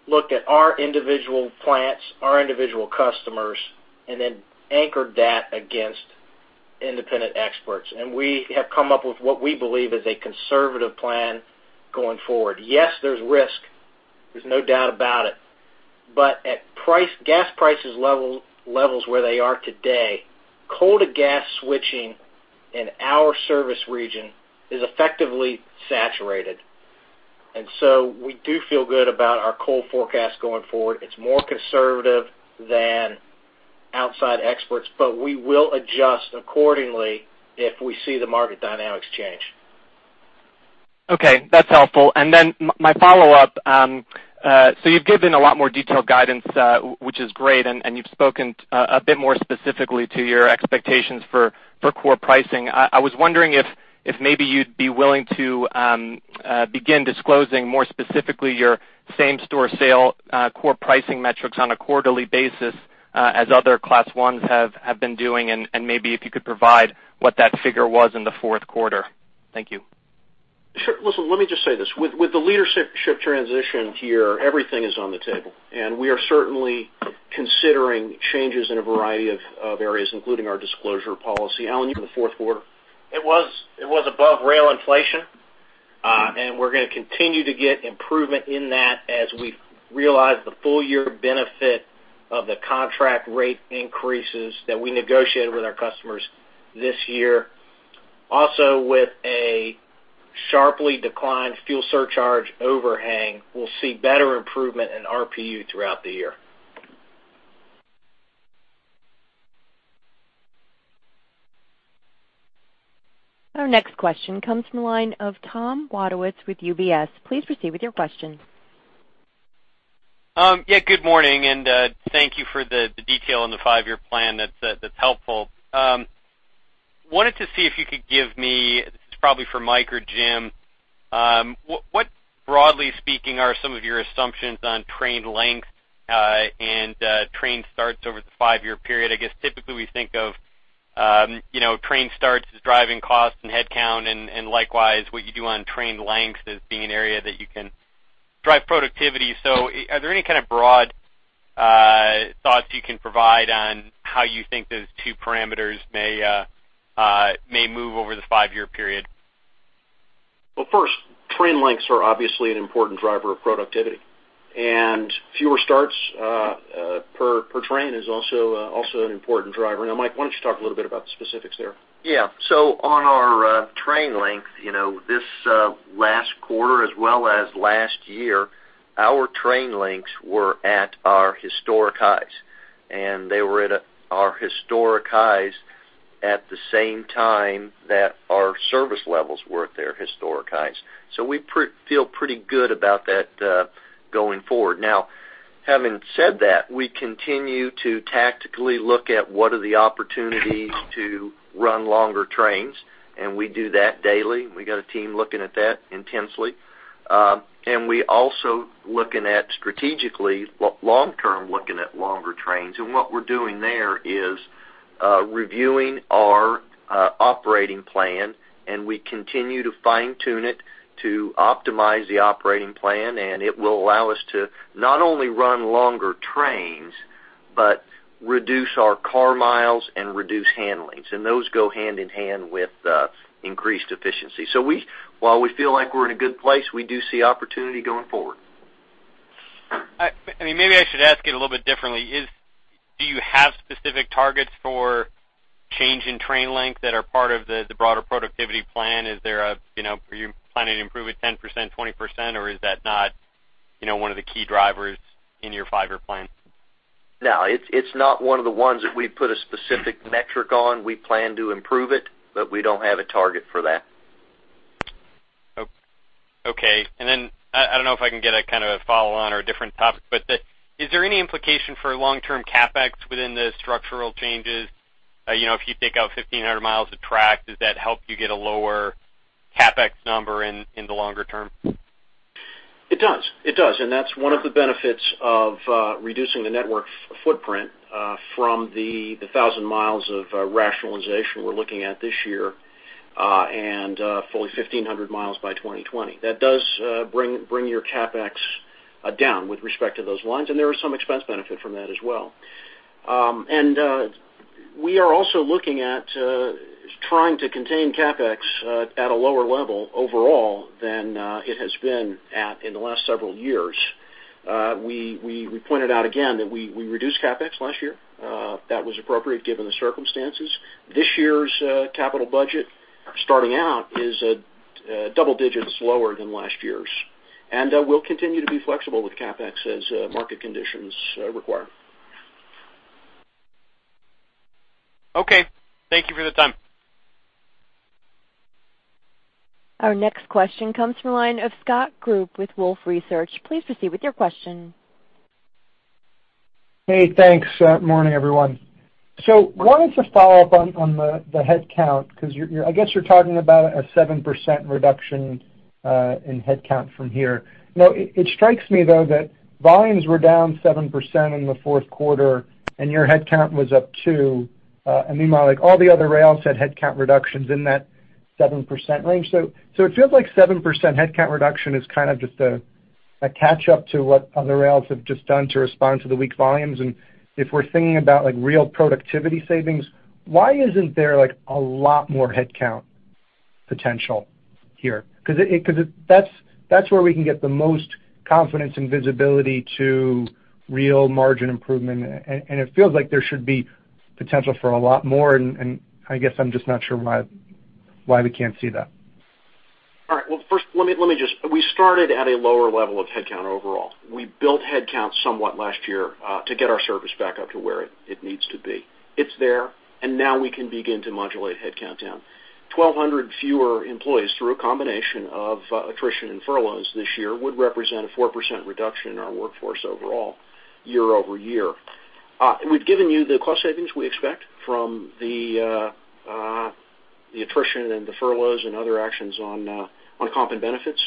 looked at our individual plants, our individual customers, then anchored that against independent experts. We have come up with what we believe is a conservative plan going forward. Yes, there's risk, there's no doubt about it, at gas prices levels where they are today, coal to gas switching in our service region is effectively saturated. We do feel good about our coal forecast going forward. It's more conservative than outside experts, we will adjust accordingly if we see the market dynamics change.
Okay. That's helpful. My follow-up, you've given a lot more detailed guidance, which is great, and you've spoken a bit more specifically to your expectations for core pricing. I was wondering if maybe you'd be willing to begin disclosing more specifically your same-store sale core pricing metrics on a quarterly basis as other Class 1s have been doing, and maybe if you could provide what that figure was in the fourth quarter. Thank you.
Sure. Listen, let me just say this. With the leadership transition here, everything is on the table, and we are certainly considering changes in a variety of areas, including our disclosure policy. Alan, you want the fourth quarter?
It was above rail inflation. We're going to continue to get improvement in that as we realize the full year benefit of the contract rate increases that we negotiated with our customers this year. With a sharply declined fuel surcharge overhang, we'll see better improvement in RPU throughout the year.
Our next question comes from the line of Thomas Wadewitz with UBS. Please proceed with your question.
Yeah, good morning, thank you for the detail on the five-year plan. That's helpful. Wanted to see if you could give me, this is probably for Mike or Jim, what, broadly speaking, are some of your assumptions on train length, and train starts over the five-year period? I guess typically we think of train starts as driving costs and headcount, and likewise, what you do on train lengths as being an area that you can drive productivity. Are there any kind of broad thoughts you can provide on how you think those two parameters may move over the five-year period?
First, train lengths are obviously an important driver of productivity, and fewer starts per train is also an important driver. Mike, why don't you talk a little bit about the specifics there?
On our train length, this last quarter as well as last year, our train lengths were at our historic highs, and they were at our historic highs at the same time that our service levels were at their historic highs. We feel pretty good about that going forward. Having said that, we continue to tactically look at what are the opportunities to run longer trains, and we do that daily. We got a team looking at that intensely. We also, strategically, long term, looking at longer trains. What we're doing there is, reviewing our operating plan, and we continue to fine-tune it to optimize the operating plan, and it will allow us to not only run longer trains but reduce our car miles and reduce handlings. Those go hand in hand with increased efficiency. While we feel like we're in a good place, we do see opportunity going forward.
Maybe I should ask it a little bit differently. Do you have specific targets for change in train length that are part of the broader productivity plan? Are you planning to improve it 10%, 20%, or is that not one of the key drivers in your five-year plan?
No, it's not one of the ones that we put a specific metric on. We plan to improve it, but we don't have a target for that.
Okay. Then, I don't know if I can get a follow-on or a different topic, but is there any implication for long-term CapEx within the structural changes? If you take out 1,500 miles of track, does that help you get a lower CapEx number in the longer term?
It does. That's one of the benefits of reducing the network footprint from the 1,000 miles of rationalization we're looking at this year, and fully 1,500 miles by 2020. That does bring your CapEx down with respect to those lines, and there is some expense benefit from that as well. We are also looking at trying to contain CapEx at a lower level overall than it has been at in the last several years. We pointed out again that we reduced CapEx last year. That was appropriate given the circumstances. This year's capital budget, starting out, is double digits lower than last year's. We'll continue to be flexible with CapEx as market conditions require.
Okay. Thank you for the time.
Our next question comes from the line of Scott Group with Wolfe Research. Please proceed with your question.
Hey, thanks. Morning, everyone. I wanted to follow up on the headcount, because I guess you're talking about a 7% reduction in headcount from here. Now, it strikes me, though, that volumes were down 7% in the fourth quarter and your headcount was up two. Meanwhile, all the other rails had headcount reductions in that 7% range. It feels like 7% headcount reduction is kind of just a catch-up to what other rails have just done to respond to the weak volumes. If we're thinking about real productivity savings, why isn't there a lot more headcount potential here? Because that's where we can get the most confidence and visibility to real margin improvement, and it feels like there should be potential for a lot more, and I guess I'm just not sure why we can't see that.
All right. Well, first, we started at a lower level of headcount overall. We built headcount somewhat last year to get our service back up to where it needs to be. It's there. Now we can begin to modulate headcount down. 1,200 fewer employees through a combination of attrition and furloughs this year would represent a 4% reduction in our workforce overall, year-over-year. We've given you the cost savings we expect from the attrition and the furloughs and other actions on comp and benefits.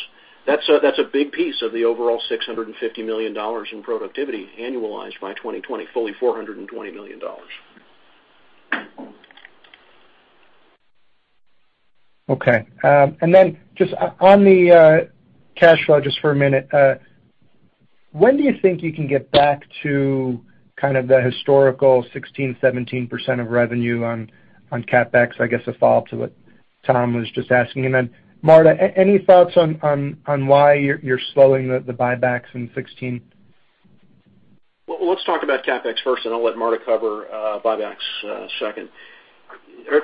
That's a big piece of the overall $650 million in productivity annualized by 2020, fully $420 million.
Okay. Just on the cash flow, just for a minute, when do you think you can get back to kind of the historical 16%-17% of revenue on CapEx? I guess a follow-up to what Tom was just asking you then. Marta, any thoughts on why you're slowing the buybacks in 2016?
Well, let's talk about CapEx first, I'll let Marta cover buybacks second.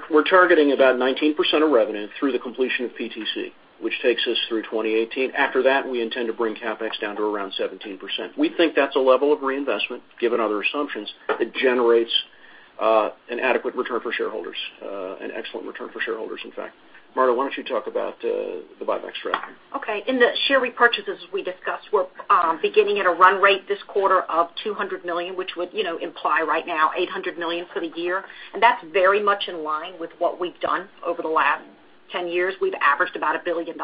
We're targeting about 19% of revenue through the completion of PTC, which takes us through 2018. After that, we intend to bring CapEx down to around 17%. We think that's a level of reinvestment, given other assumptions, that generates an adequate return for shareholders, an excellent return for shareholders, in fact. Marta, why don't you talk about the buybacks strategy?
Okay. In the share repurchases we discussed, we're beginning at a run rate this quarter of $200 million, which would imply right now $800 million for the year. That's very much in line with what we've done over the last 10 years. We've averaged about $1 billion.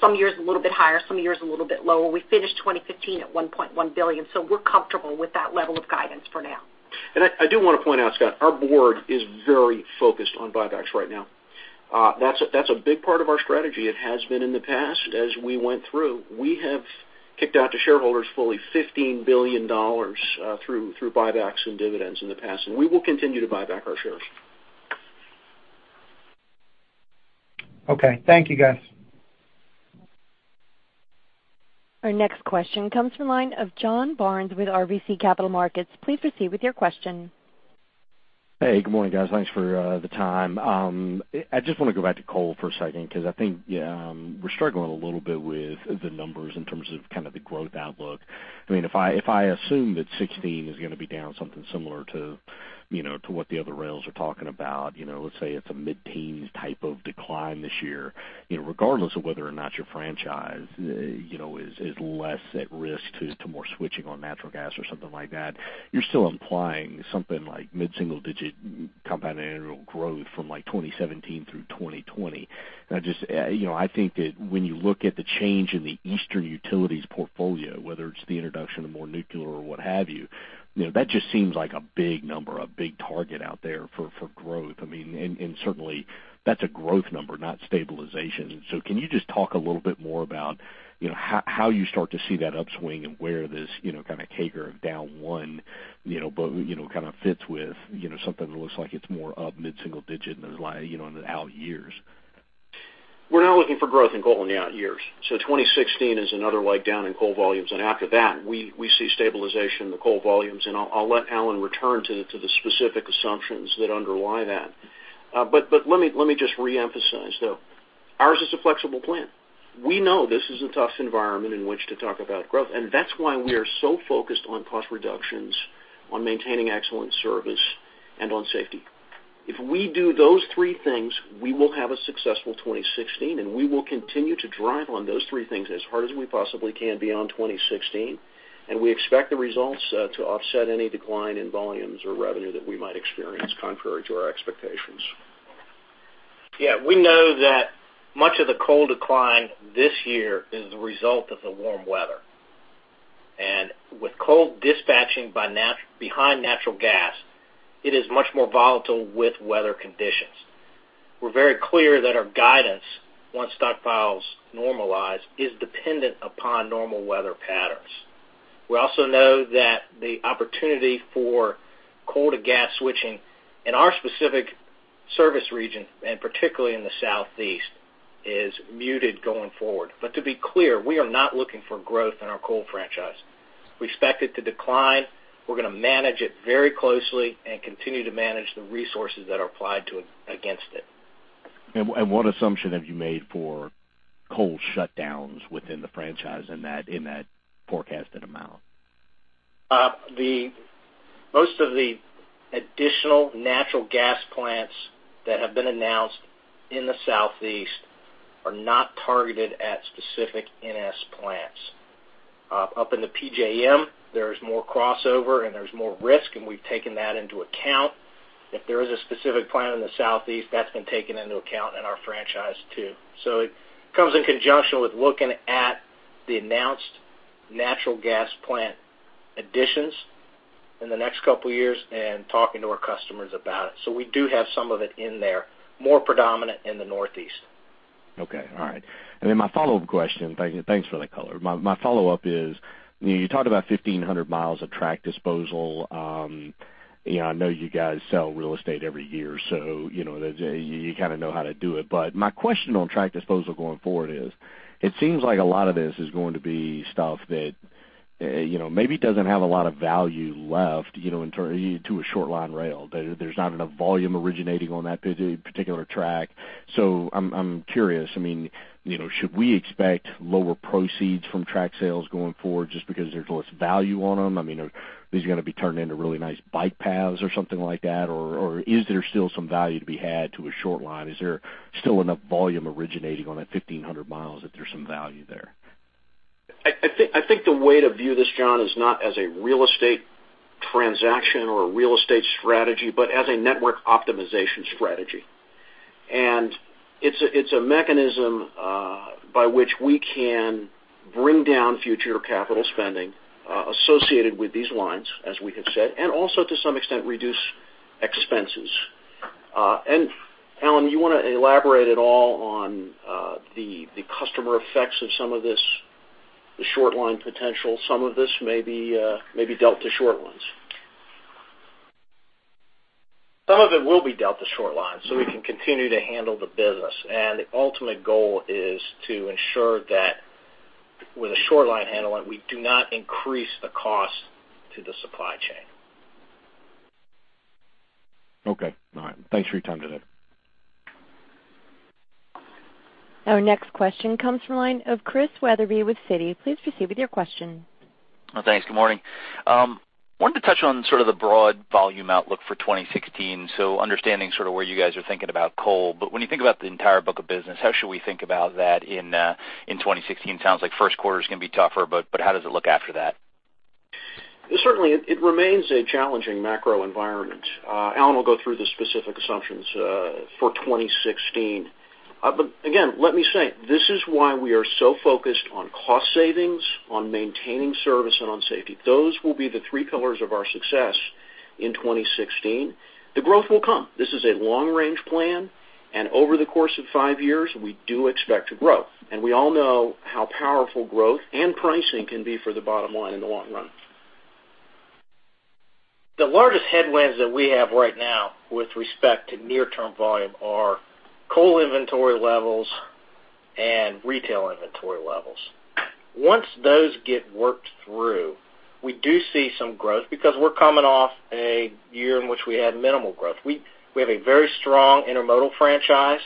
Some years a little bit higher, some years a little bit lower. We finished 2015 at $1.1 billion, we're comfortable with that level of guidance for now.
I do want to point out, Scott, our board is very focused on buybacks right now. That's a big part of our strategy. It has been in the past. As we went through, we have kicked out to shareholders fully $15 billion through buybacks and dividends in the past, we will continue to buy back our shares.
Okay, thank you, guys.
Our next question comes from the line of John Barnes with RBC Capital Markets. Please proceed with your question.
Hey, good morning, guys. Thanks for the time. I just want to go back to coal for a second because I think we're struggling a little bit with the numbers in terms of the growth outlook. If I assume that 2016 is going to be down something similar to what the other rails are talking about, let's say it's a mid-teens type of decline this year, regardless of whether or not your franchise is less at risk to more switching on natural gas or something like that, you're still implying something like mid-single digit compound annual growth from 2017 through 2020. I think that when you look at the change in the eastern utilities portfolio, whether it's the introduction of more nuclear or what have you, that just seems like a big number, a big target out there for growth. Certainly, that's a growth number, not stabilization. Can you just talk a little bit more about how you start to see that upswing and where this kind of CAGR of down 1 fits with something that looks like it's more up mid-single digit in the out years?
We're not looking for growth in coal in the out years. 2016 is another leg down in coal volumes, and after that, we see stabilization in the coal volumes. I'll let Alan return to the specific assumptions that underlie that. Let me just reemphasize, though. Ours is a flexible plan. We know this is a tough environment in which to talk about growth, and that's why we are so focused on cost reductions, on maintaining excellent service, and on safety. If we do those three things, we will have a successful 2016, and we will continue to drive on those three things as hard as we possibly can beyond 2016. We expect the results to offset any decline in volumes or revenue that we might experience contrary to our expectations.
Yeah. We know that much of the coal decline this year is the result of the warm weather. With coal dispatching behind natural gas, it is much more volatile with weather conditions. We're very clear that our guidance, once stockpiles normalize, is dependent upon normal weather patterns. We also know that the opportunity for coal to gas switching in our specific service region, and particularly in the Southeast, is muted going forward. To be clear, we are not looking for growth in our coal franchise. We expect it to decline. We're going to manage it very closely and continue to manage the resources that are applied against it.
What assumption have you made for coal shutdowns within the franchise in that forecasted amount?
Most of the additional natural gas plants that have been announced in the Southeast are not targeted at specific NS plants. Up in the PJM, there's more crossover, and there's more risk, and we've taken that into account. If there is a specific plant in the Southeast, that's been taken into account in our franchise, too. It comes in conjunction with looking at the announced natural gas plant additions in the next couple of years and talking to our customers about it. We do have some of it in there, more predominant in the Northeast.
My follow-up question. Thanks for the color. My follow-up is, you talked about 1,500 miles of track disposal. I know you guys sell real estate every year or so. You kind of know how to do it. My question on track disposal going forward is, it seems like a lot of this is going to be stuff that maybe doesn't have a lot of value left to a short line rail. There's not enough volume originating on that particular track. I'm curious, should we expect lower proceeds from track sales going forward just because there's less value on them? Are these going to be turned into really nice bike paths or something like that? Is there still some value to be had to a short line? Is there still enough volume originating on that 1,500 miles that there's some value there?
I think the way to view this, John, is not as a real estate transaction or a real estate strategy, but as a network optimization strategy. It's a mechanism by which we can bring down future capital spending associated with these lines, as we have said, and also to some extent reduce expenses. Alan, do you want to elaborate at all on the customer effects of some of this short line potential? Some of this may be dealt to short lines.
Some of it will be dealt to short lines so we can continue to handle the business. The ultimate goal is to ensure that with a short line handling, we do not increase the cost to the supply chain.
Okay. All right. Thanks for your time today.
Our next question comes from the line of Christian Wetherbee with Citi. Please proceed with your question.
Thanks. Good morning. Wanted to touch on sort of the broad volume outlook for 2016, understanding sort of where you guys are thinking about coal. When you think about the entire book of business, how should we think about that in 2016? Sounds like first quarter is going to be tougher, but how does it look after that?
Certainly, it remains a challenging macro environment. Alan will go through the specific assumptions for 2016. Again, let me say, this is why we are so focused on cost savings, on maintaining service, and on safety. Those will be the three pillars of our success in 2016. The growth will come. This is a long range plan, over the course of five years, we do expect to grow. We all know how powerful growth and pricing can be for the bottom line in the long run.
The largest headwinds that we have right now with respect to near term volume are coal inventory levels and retail inventory levels. Once those get worked through, we do see some growth because we're coming off a year in which we had minimal growth. We have a very strong intermodal franchise.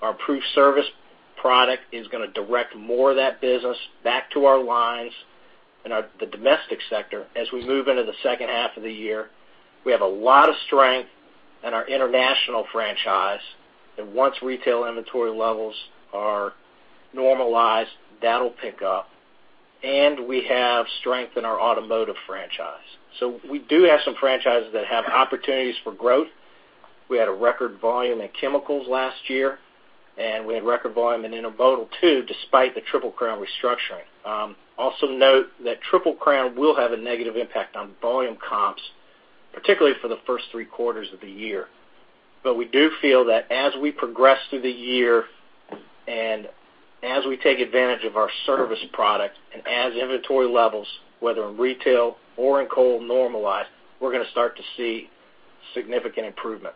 Our proof service product is going to direct more of that business back to our lines in the domestic sector as we move into the second half of the year. We have a lot of strength in our international franchise, once retail inventory levels are normalized, that'll pick up. We have strength in our automotive franchise. We do have some franchises that have opportunities for growth. We had a record volume in chemicals last year, and we had record volume in intermodal too, despite the Triple Crown restructuring. Note that Triple Crown will have a negative impact on volume comps, particularly for the first three quarters of the year. We do feel that as we progress through the year and as we take advantage of our service product and as inventory levels, whether in retail or in coal normalize, we're going to start to see significant improvement.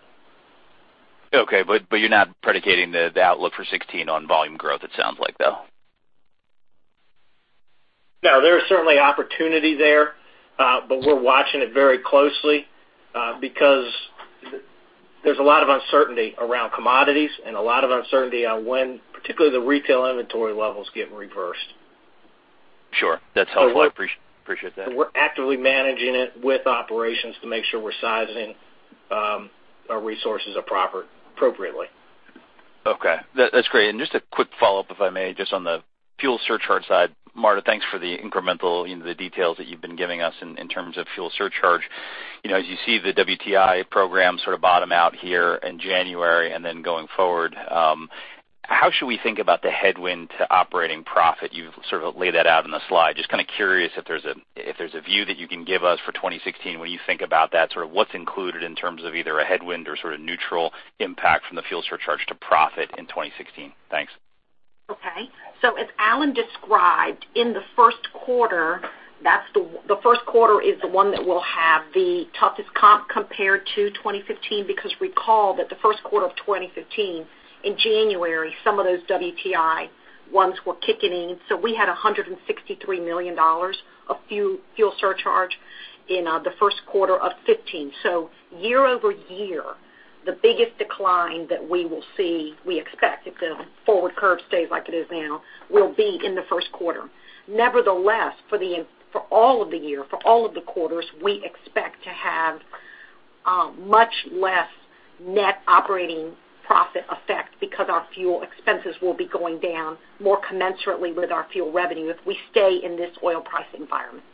Okay. You're not predicating the outlook for 2016 on volume growth, it sounds like, though.
No, there is certainly opportunity there. We're watching it very closely because there's a lot of uncertainty around commodities and a lot of uncertainty on when, particularly the retail inventory levels getting reversed.
Sure. That's helpful. Appreciate that.
We're actively managing it with operations to make sure we're sizing our resources appropriately.
Okay. That's great. Just a quick follow-up, if I may, just on the fuel surcharge side. Marta, thanks for the incremental, the details that you've been giving us in terms of fuel surcharge. As you see the WTI program sort of bottom out here in January and then going forward, how should we think about the headwind to operating profit? You've sort of laid that out in the slide. Just kind of curious if there's a view that you can give us for 2016 when you think about that, sort of what's included in terms of either a headwind or sort of neutral impact from the fuel surcharge to profit in 2016. Thanks.
Okay. As Alan described, in the first quarter, the first quarter is the one that will have the toughest comp compared to 2015, because recall that the first quarter of 2015, in January, some of those WTI ones were kicking in. We had $163 million of fuel surcharge in the first quarter of 2015. Year-over-year, the biggest decline that we will see, we expect, if the forward curve stays like it is now, will be in the first quarter. Nevertheless, for all of the year, for all of the quarters, we expect to have much less net operating profit effect because our fuel expenses will be going down more commensurately with our fuel revenue if we stay in this oil price environment.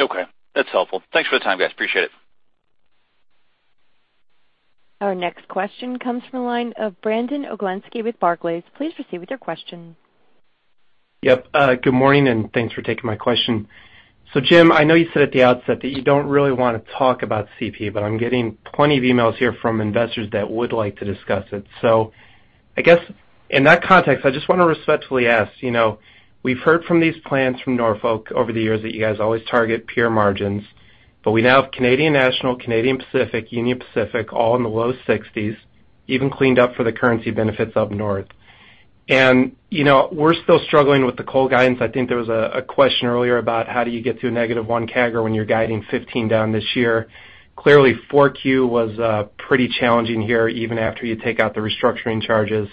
Okay. That's helpful. Thanks for the time, guys. Appreciate it.
Our next question comes from the line of Brandon Oglenski with Barclays. Please proceed with your question.
Good morning, and thanks for taking my question. Jim, I know you said at the outset that you don't really want to talk about CP, but I'm getting plenty of emails here from investors that would like to discuss it. I guess in that context, I just want to respectfully ask, we've heard from these plans from Norfolk over the years that you guys always target peer margins, but we now have Canadian National, Canadian Pacific, Union Pacific, all in the low 60s, even cleaned up for the currency benefits up north. We're still struggling with the coal guidance. I think there was a question earlier about how do you get to a negative 1 CAGR when you're guiding 15 down this year. Clearly, Q4 was pretty challenging here, even after you take out the restructuring charges.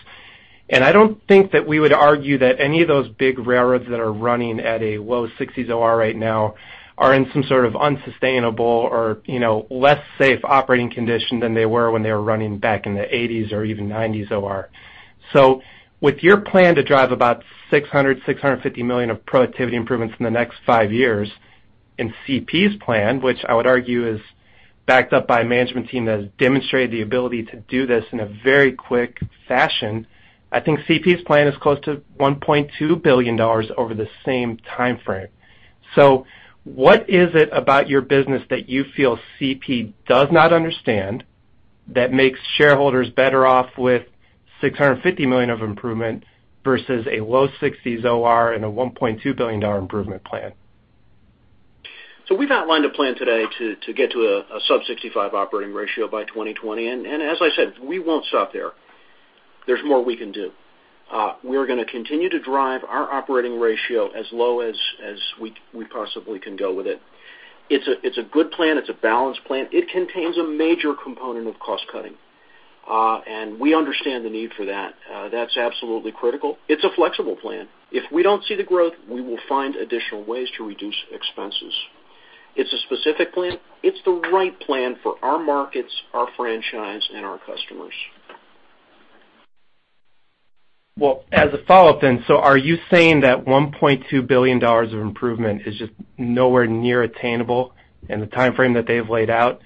I don't think that we would argue that any of those big railroads that are running at a low 60s OR right now are in some sort of unsustainable or less safe operating condition than they were when they were running back in the 80s or even 90s OR. With your plan to drive about $600 million-$650 million of productivity improvements in the next 5 years, and CP's plan, which I would argue is backed up by a management team that has demonstrated the ability to do this in a very quick fashion, I think CP's plan is close to $1.2 billion over the same time frame. What is it about your business that you feel CP does not understand that makes shareholders better off with $650 million of improvement versus a low 60s OR and a $1.2 billion improvement plan?
We've outlined a plan today to get to a sub 65 operating ratio by 2020. As I said, we won't stop there. There's more we can do. We are going to continue to drive our operating ratio as low as we possibly can go with it. It's a good plan. It's a balanced plan. It contains a major component of cost cutting. We understand the need for that. That's absolutely critical. It's a flexible plan. If we don't see the growth, we will find additional ways to reduce expenses. It's a specific plan. It's the right plan for our markets, our franchise, and our customers.
Well, as a follow-up are you saying that $1.2 billion of improvement is just nowhere near attainable in the timeframe that they've laid out?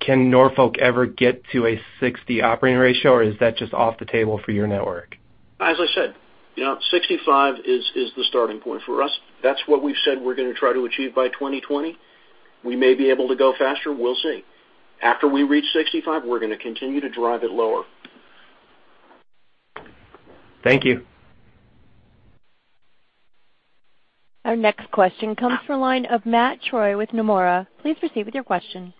Can Norfolk ever get to a 60 operating ratio, or is that just off the table for your network?
As I said, 65 is the starting point for us. That's what we've said we're going to try to achieve by 2020. We may be able to go faster. We'll see. After we reach 65, we're going to continue to drive it lower.
Thank you.
Our next question comes from the line of Matt Troy with Nomura. Please proceed with your question.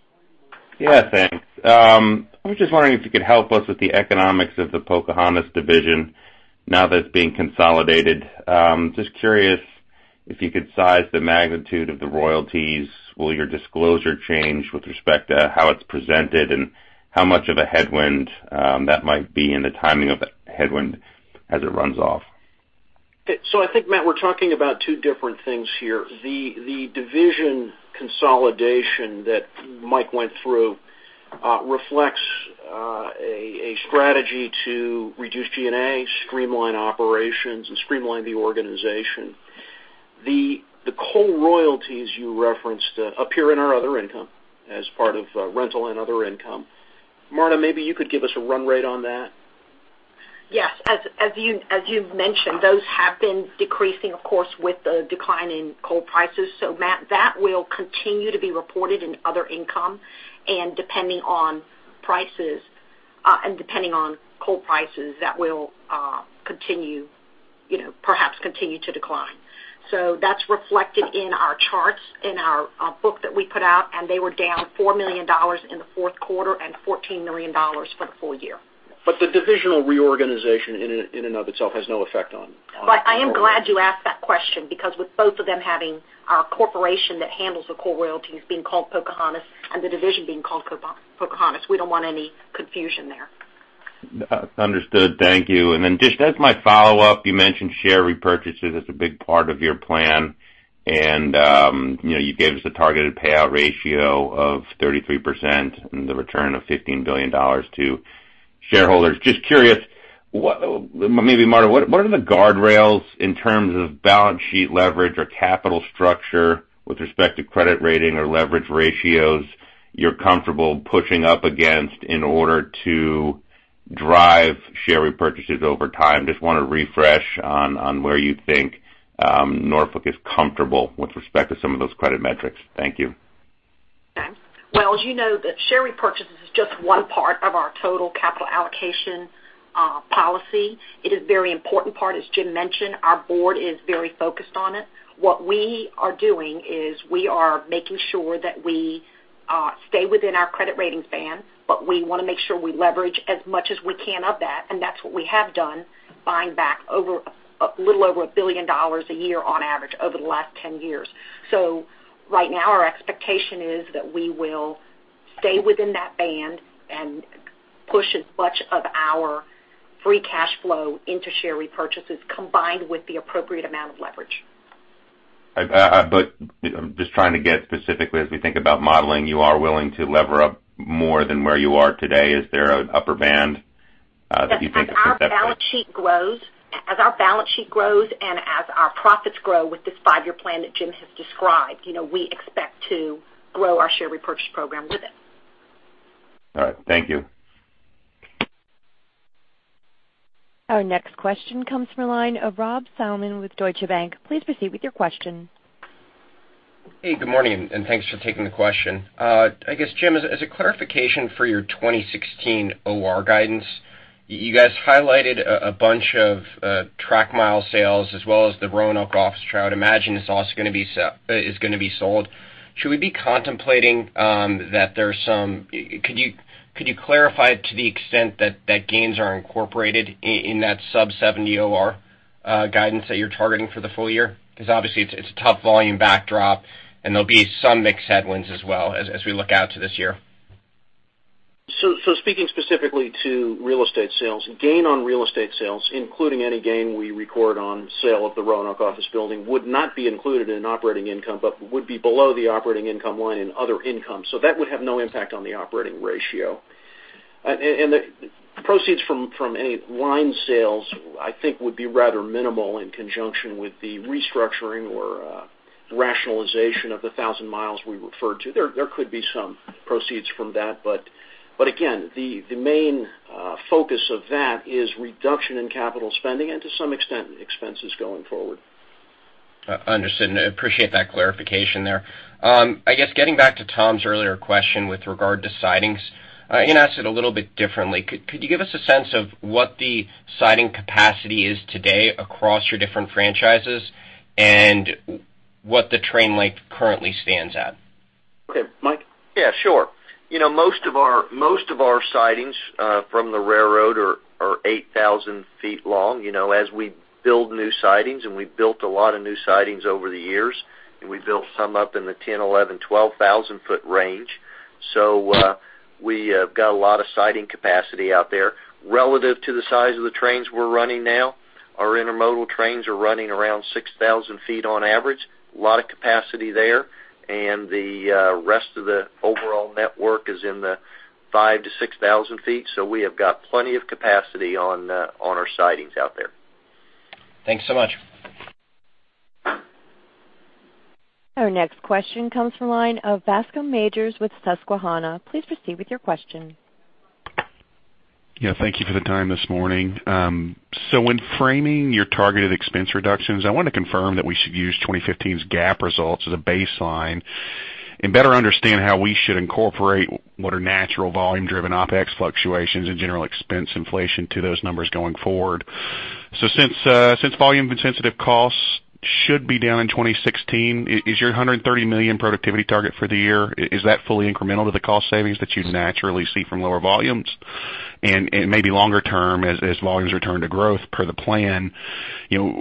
Thanks. I was just wondering if you could help us with the economics of the Pocahontas Division now that it's being consolidated. Just curious if you could size the magnitude of the royalties. Will your disclosure change with respect to how it's presented, and how much of a headwind that might be and the timing of the headwind as it runs off?
I think, Matt, we're talking about two different things here. The division consolidation that Mike went through reflects a strategy to reduce G&A, streamline operations, and streamline the organization. The coal royalties you referenced appear in our other income as part of rental and other income. Marta, maybe you could give us a run rate on that.
Yes. As you've mentioned, those have been decreasing, of course, with the decline in coal prices. Matt, that will continue to be reported in other income, and depending on coal prices, that will perhaps continue to decline. That's reflected in our charts, in our book that we put out, and they were down $4 million in the fourth quarter and $14 million for the full year.
The divisional reorganization in and of itself has no effect on.
I am glad you asked that question because with both of them having our corporation that handles the coal royalties being called Pocahontas and the division being called Pocahontas, we don't want any confusion there.
Understood. Thank you. Just as my follow-up, you mentioned share repurchases as a big part of your plan, and you gave us a targeted payout ratio of 33% and the return of $15 billion to shareholders. Just curious, maybe Marta, what are the guardrails in terms of balance sheet leverage or capital structure with respect to credit rating or leverage ratios you're comfortable pushing up against in order to drive share repurchases over time? Just want to refresh on where you think Norfolk is comfortable with respect to some of those credit metrics. Thank you.
Okay. Well, as you know, the share repurchase is just one part of our total capital allocation policy. It is a very important part. As Jim mentioned, our board is very focused on it. What we are doing is we are making sure that we stay within our credit rating band, we want to make sure we leverage as much as we can of that, and that's what we have done, buying back a little over $1 billion a year on average over the last 10 years. Right now, our expectation is that we will stay within that band and push as much of our free cash flow into share repurchases combined with the appropriate amount of leverage.
I'm just trying to get specifically, as we think about modeling, you are willing to lever up more than where you are today. Is there an upper band that you think is best?
As our balance sheet grows and as our profits grow with this five-year plan that Jim has described, we expect to grow our share repurchase program with it.
All right. Thank you.
Our next question comes from the line of Rob Salmon with Deutsche Bank. Please proceed with your question.
Hey, good morning. Thanks for taking the question. I guess, Jim, as a clarification for your 2016 OR guidance, you guys highlighted a bunch of track mile sales as well as the Roanoke office. I would imagine it's also going to be sold. Could you clarify to the extent that gains are incorporated in that sub 70 OR guidance that you're targeting for the full year? Obviously, it's a tough volume backdrop, and there'll be some mixed headwinds as well as we look out to this year.
Speaking specifically to real estate sales, gain on real estate sales, including any gain we record on sale of the Roanoke office building, would not be included in operating income but would be below the operating income line in other income. That would have no impact on the operating ratio. The proceeds from any line sales, I think would be rather minimal in conjunction with the restructuring or rationalization of the 1,000 miles we referred to. There could be some proceeds from that, but again, the main focus of that is reduction in capital spending and to some extent, expenses going forward.
Understood. I appreciate that clarification there. I guess getting back to Tom's earlier question with regard to sidings, I'm going to ask it a little bit differently. Could you give us a sense of what the siding capacity is today across your different franchises and what the train length currently stands at?
Okay, Mike?
Yeah, sure. Most of our sidings from the railroad are 8,000 feet long. As we build new sidings, and we've built a lot of new sidings over the years, and we built some up in the 10,000, 11,000, 12,000-foot range. We have got a lot of siding capacity out there. Relative to the size of the trains we're running now, our intermodal trains are running around 6,000 feet on average, a lot of capacity there, and the rest of the overall network is in the 5,000-6,000 feet. We have got plenty of capacity on our sidings out there.
Thanks so much.
Our next question comes from the line of Bascome Majors with Susquehanna. Please proceed with your question.
Yeah. Thank you for the time this morning. When framing your targeted expense reductions, I wanted to confirm that we should use 2015's GAAP results as a baseline and better understand how we should incorporate what are natural volume-driven OpEx fluctuations and general expense inflation to those numbers going forward. Since volume-insensitive costs should be down in 2016, is your $130 million productivity target for the year, is that fully incremental to the cost savings that you'd naturally see from lower volumes? Maybe longer term, as volumes return to growth per the plan,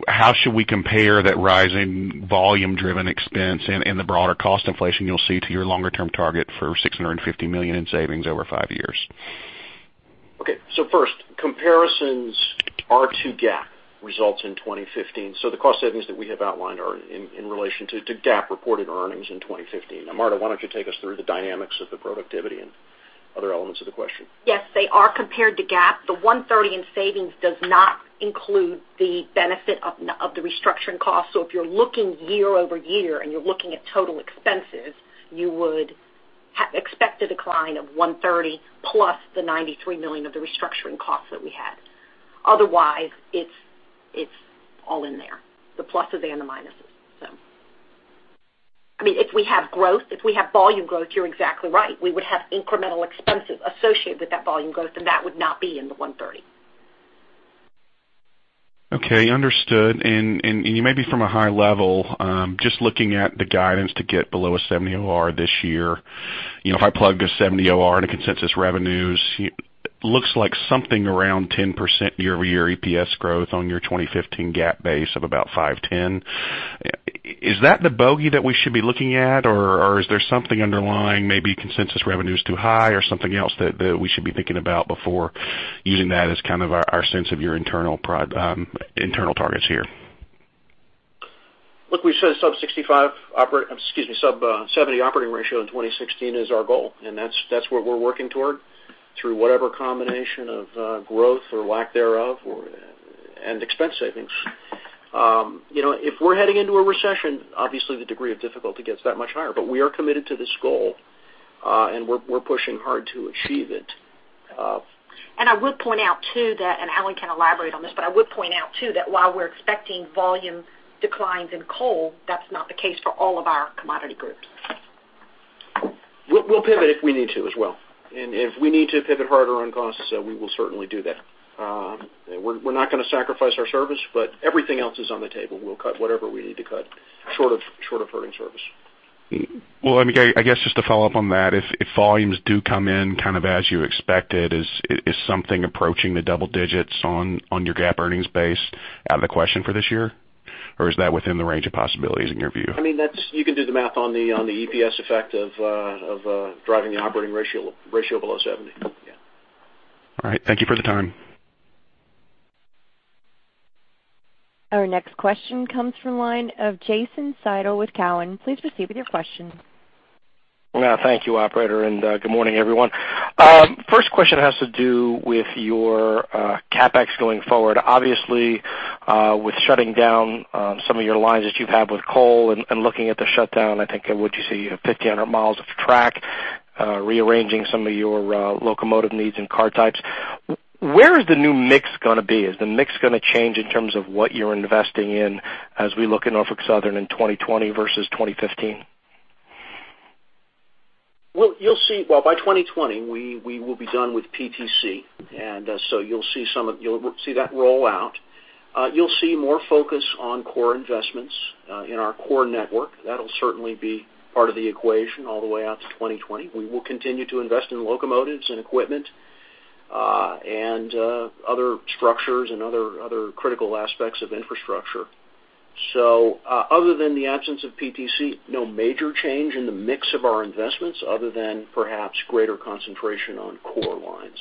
how should we compare that rising volume-driven expense and the broader cost inflation you'll see to your longer-term target for $650 million in savings over five years?
Okay. First, comparisons are to GAAP results in 2015. The cost savings that we have outlined are in relation to GAAP reported earnings in 2015. Now, Marta, why don't you take us through the dynamics of the productivity and other elements of the question?
Yes, they are compared to GAAP. The $130 in savings does not include the benefit of the restructuring costs. If you're looking year-over-year and you're looking at total expenses, you would expect a decline of $130 plus the $93 million of the restructuring costs that we had. Otherwise, it's all in there, the pluses and the minuses. If we have volume growth, you're exactly right. We would have incremental expenses associated with that volume growth, and that would not be in the $130.
Okay, understood. You maybe from a high level, just looking at the guidance to get below a 70 OR this year, if I plugged a 70 OR into consensus revenues, looks like something around 10% year-over-year EPS growth on your 2015 GAAP base of about $5.10 Is that the bogey that we should be looking at, or is there something underlying, maybe consensus revenue's too high or something else that we should be thinking about before using that as kind of our sense of your internal targets here?
Look, we said sub-65, excuse me, sub-70 OR in 2016 is our goal, that's what we're working toward through whatever combination of growth or lack thereof and expense savings. If we're heading into a recession, obviously the degree of difficulty gets that much higher. We are committed to this goal, and we're pushing hard to achieve it.
I would point out, too, that, Alan can elaborate on this, I would point out, too, that while we're expecting volume declines in coal, that's not the case for all of our commodity groups.
We'll pivot if we need to as well. If we need to pivot harder on costs, we will certainly do that. We're not going to sacrifice our service, but everything else is on the table. We'll cut whatever we need to cut short of hurting service.
Well, I guess just to follow up on that, if volumes do come in kind of as you expected, is something approaching the double digits on your GAAP earnings base out of the question for this year? Or is that within the range of possibilities in your view?
You can do the math on the EPS effect of driving the operating ratio below 70. Yeah.
All right. Thank you for the time.
Our next question comes from line of Jason Seidl with Cowen. Please proceed with your question.
Thank you, operator. Good morning, everyone. First question has to do with your CapEx going forward. Obviously, with shutting down some of your lines that you've had with coal and looking at the shutdown, I think what'd you say, you have 1,500 miles of track rearranging some of your locomotive needs and car types. Where is the new mix going to be? Is the mix going to change in terms of what you're investing in as we look at Norfolk Southern in 2020 versus 2015?
Well, by 2020, we will be done with PTC, so you'll see that roll out. You'll see more focus on core investments in our core network. That'll certainly be part of the equation all the way out to 2020. We will continue to invest in locomotives and equipment, other structures and other critical aspects of infrastructure. Other than the absence of PTC, no major change in the mix of our investments other than perhaps greater concentration on core lines.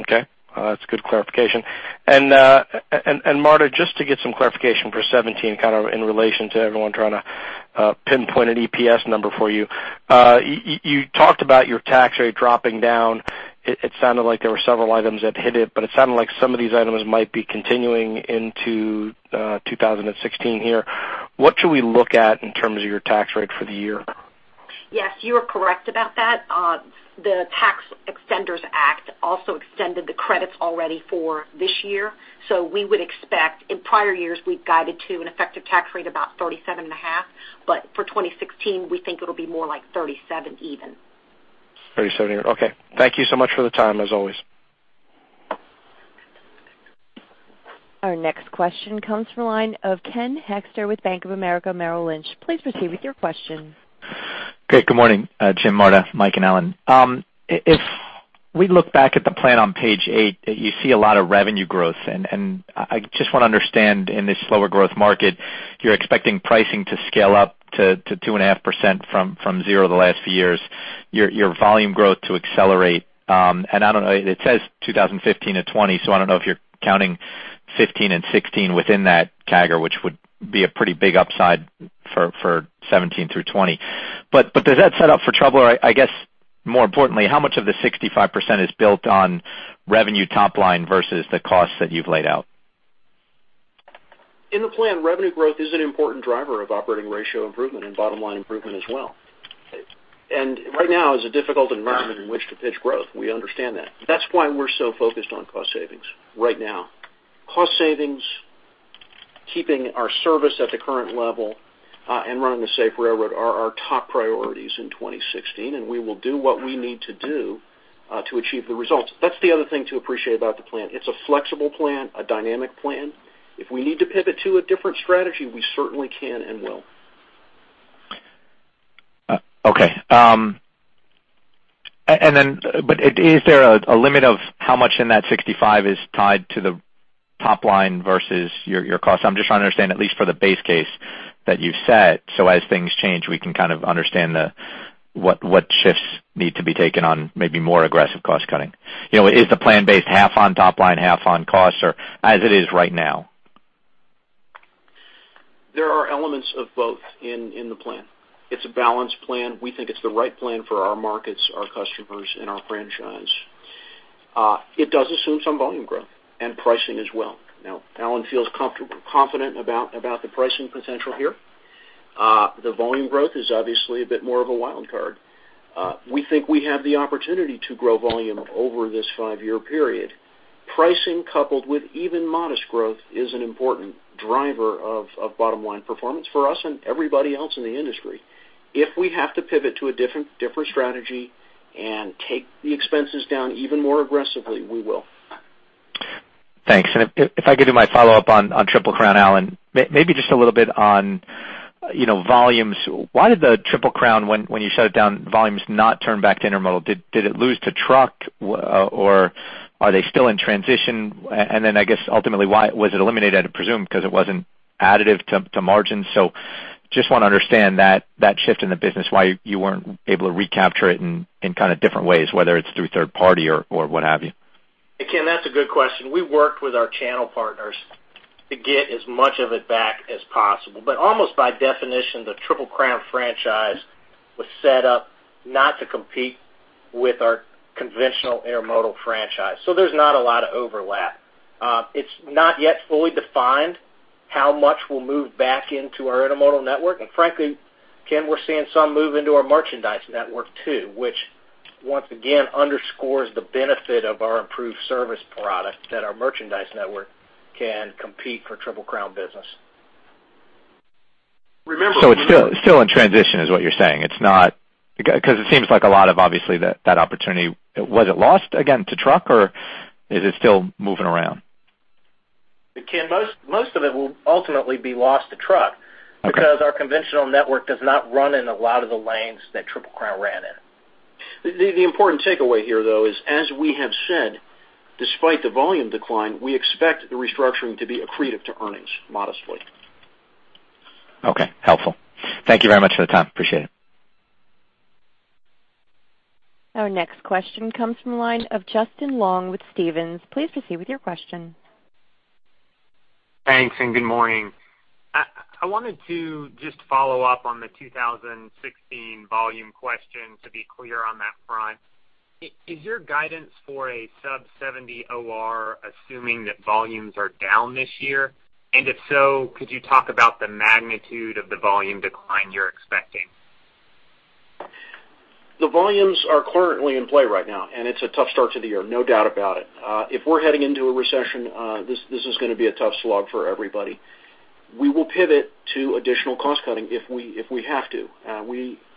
Okay. That's a good clarification. Marta, just to get some clarification for 2017, kind of in relation to everyone trying to pinpoint an EPS number for you. You talked about your tax rate dropping down. It sounded like there were several items that hit it, but it sounded like some of these items might be continuing into 2016 here. What should we look at in terms of your tax rate for the year?
Yes, you are correct about that. The Tax Extenders Act also extended the credits already for this year. We would expect, in prior years, we've guided to an effective tax rate about 37.5, but for 2016, we think it'll be more like 37 even.
37 even. Okay. Thank you so much for the time, as always.
Our next question comes from the line of Ken Hoexter with Bank of America Merrill Lynch. Please proceed with your question.
Great. Good morning, Jim, Marta, Mike, and Alan. If we look back at the plan on page eight, you see a lot of revenue growth and I just want to understand in this slower growth market, you're expecting pricing to scale up to 2.5% from zero the last few years, your volume growth to accelerate. I don't know, it says 2015 to 2020, so I don't know if you're counting 2015 and 2016 within that CAGR, which would be a pretty big upside for 2017 through 2020. More importantly, how much of the 65% is built on revenue top line versus the costs that you've laid out?
In the plan, revenue growth is an important driver of operating ratio improvement and bottom-line improvement as well. Right now is a difficult environment in which to pitch growth. We understand that. That's why we're so focused on cost savings right now. Cost savings, keeping our service at the current level, and running a safe railroad are our top priorities in 2016, and we will do what we need to do to achieve the results. That's the other thing to appreciate about the plan. It's a flexible plan, a dynamic plan. If we need to pivot to a different strategy, we certainly can and will.
Okay. Is there a limit of how much in that 65 is tied to the top line versus your cost? I'm just trying to understand, at least for the base case that you've set, so as things change, we can understand what shifts need to be taken on, maybe more aggressive cost cutting. Is the plan based half on top line, half on costs, or as it is right now?
There are elements of both in the plan. It's a balanced plan. We think it's the right plan for our markets, our customers, and our franchise. It does assume some volume growth and pricing as well. Now, Alan feels confident about the pricing potential here. The volume growth is obviously a bit more of a wild card. We think we have the opportunity to grow volume over this five-year period. Pricing coupled with even modest growth is an important driver of bottom-line performance for us and everybody else in the industry. If we have to pivot to a different strategy and take the expenses down even more aggressively, we will.
Thanks. If I could do my follow-up on Triple Crown, Alan, maybe just a little bit on volumes. Why did the Triple Crown, when you shut it down, volumes not turn back to intermodal? Did it lose to truck or are they still in transition? Then, I guess ultimately, why was it eliminated? I presume because it wasn't additive to margin. Just want to understand that shift in the business, why you weren't able to recapture it in kind of different ways, whether it's through third party or what have you.
Ken, that's a good question. We worked with our channel partners to get as much of it back as possible. Almost by definition, the Triple Crown franchise was set up not to compete with our conventional intermodal franchise. There's not a lot of overlap. It's not yet fully defined how much will move back into our intermodal network. Frankly, Ken, we're seeing some move into our merchandise network too, which, once again, underscores the benefit of our improved service product that our merchandise network can compete for Triple Crown business.
Remember-
It's still in transition is what you're saying. Because it seems like a lot of, obviously, that opportunity, was it lost again to truck, or is it still moving around?
Ken, most of it will ultimately be lost to truck because our conventional network does not run in a lot of the lanes that Triple Crown ran in.
The important takeaway here, though, is as we have said, despite the volume decline, we expect the restructuring to be accretive to earnings modestly.
Okay. Helpful. Thank you very much for the time. Appreciate it.
Our next question comes from the line of Justin Long with Stephens. Please proceed with your question.
Thanks, and good morning. I wanted to just follow up on the 2016 volume question to be clear on that front. Is your guidance for a sub 70 OR assuming that volumes are down this year? If so, could you talk about the magnitude of the volume decline you're expecting?
The volumes are currently in play right now, and it's a tough start to the year, no doubt about it. If we're heading into a recession, this is going to be a tough slog for everybody. We will pivot to additional cost cutting if we have to.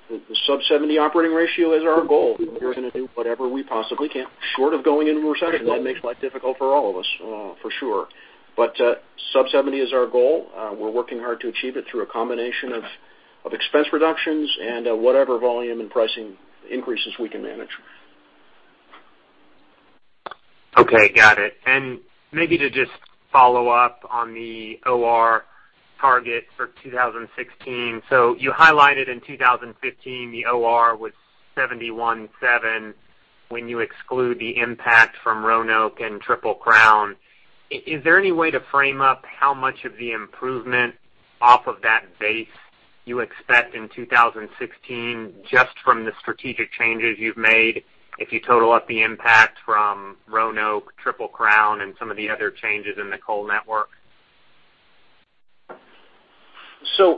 The sub 70 operating ratio is our goal. We're going to do whatever we possibly can short of going into a recession. That makes life difficult for all of us, for sure. Sub 70 is our goal. We're working hard to achieve it through a combination of expense reductions and whatever volume and pricing increases we can manage.
Okay, got it. Maybe to just follow up on the OR target for 2016. You highlighted in 2015, the OR was 71.7 when you exclude the impact from Roanoke and Triple Crown. Is there any way to frame up how much of the improvement off of that base you expect in 2016 just from the strategic changes you've made if you total up the impact from Roanoke, Triple Crown, and some of the other changes in the coal network?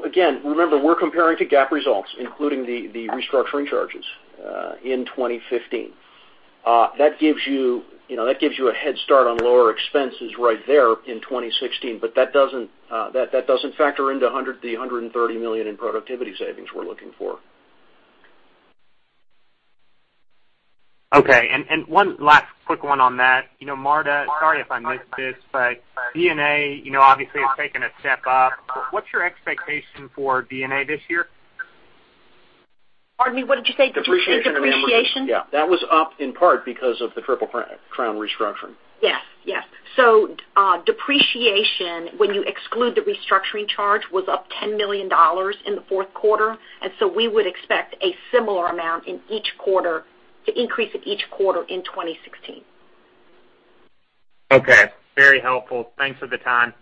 Again, remember, we're comparing to GAAP results, including the restructuring charges in 2015. That gives you a head start on lower expenses right there in 2016, but that doesn't factor into the $130 million in productivity savings we're looking for.
Okay, one last quick one on that. Marta, sorry if I missed this, D&A, obviously, has taken a step up. What's your expectation for D&A this year?
Pardon me. What did you say? Depreciation?
Depreciation and amortization. Yeah. That was up in part because of the Triple Crown restructuring.
Yes. Depreciation, when you exclude the restructuring charge, was up $10 million in the fourth quarter, we would expect a similar amount in each quarter, to increase at each quarter in 2016.
Okay. Very helpful. Thanks for the time.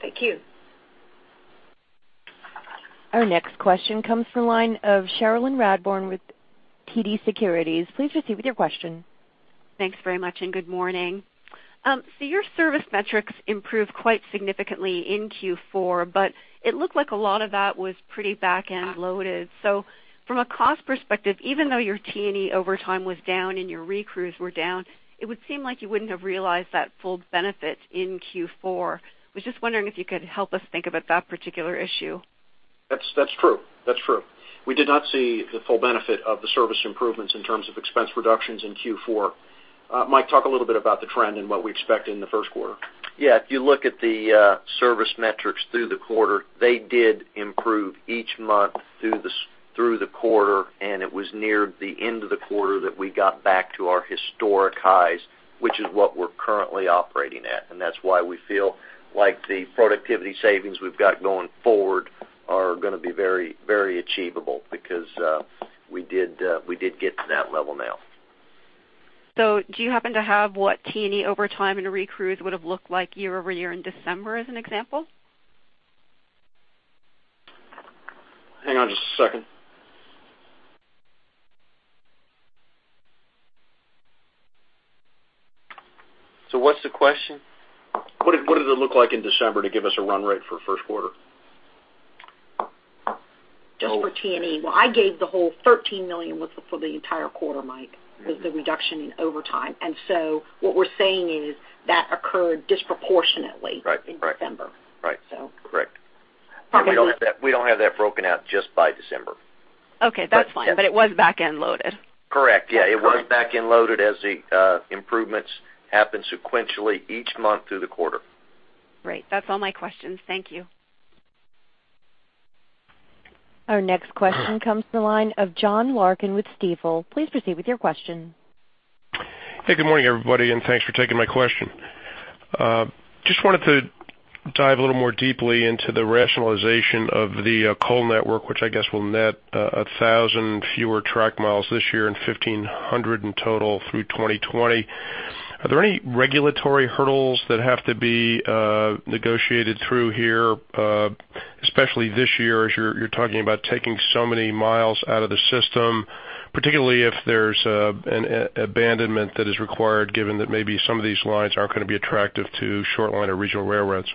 Thank you.
Our next question comes from line of Cherilyn Radbourne with TD Securities. Please proceed with your question.
Thanks very much, and good morning. Your service metrics improved quite significantly in Q4, it looked like a lot of that was pretty back-end loaded. From a cost perspective, even though your T&E overtime was down and your recrews were down, it would seem like you wouldn't have realized that full benefit in Q4. Was just wondering if you could help us think about that particular issue.
That's true. We did not see the full benefit of the service improvements in terms of expense reductions in Q4. Mike, talk a little bit about the trend and what we expect in the first quarter.
Yeah. If you look at the service metrics through the quarter, they did improve each month through the quarter, it was near the end of the quarter that we got back to our historic highs, which is what we're currently operating at. That's why we feel like the productivity savings we've got going forward are going to be very achievable because we did get to that level now.
Do you happen to have what T&E overtime and recrews would have looked like year-over-year in December as an example?
Hang on just a second.
What's the question?
What did it look like in December to give us a run rate for first quarter?
Just for T&E. Well, I gave the whole $13 million was for the entire quarter, Mike, the reduction in overtime. What we're saying is that occurred disproportionately-
Right
in December.
Right. Correct. We don't have that broken out just by December.
Okay. That's fine. It was back-end loaded.
Correct. Yeah. It was back-end loaded as the improvements happened sequentially each month through the quarter.
Great. That's all my questions. Thank you.
Our next question comes to the line of John Larkin with Stifel. Please proceed with your question.
Hey, good morning, everybody. Thanks for taking my question. Just wanted to dive a little more deeply into the rationalization of the coal network, which I guess will net 1,000 fewer track miles this year and 1,500 in total through 2020. Are there any regulatory hurdles that have to be negotiated through here, especially this year, as you're talking about taking so many miles out of the system, particularly if there's an abandonment that is required given that maybe some of these lines aren't going to be attractive to short line or regional railroads?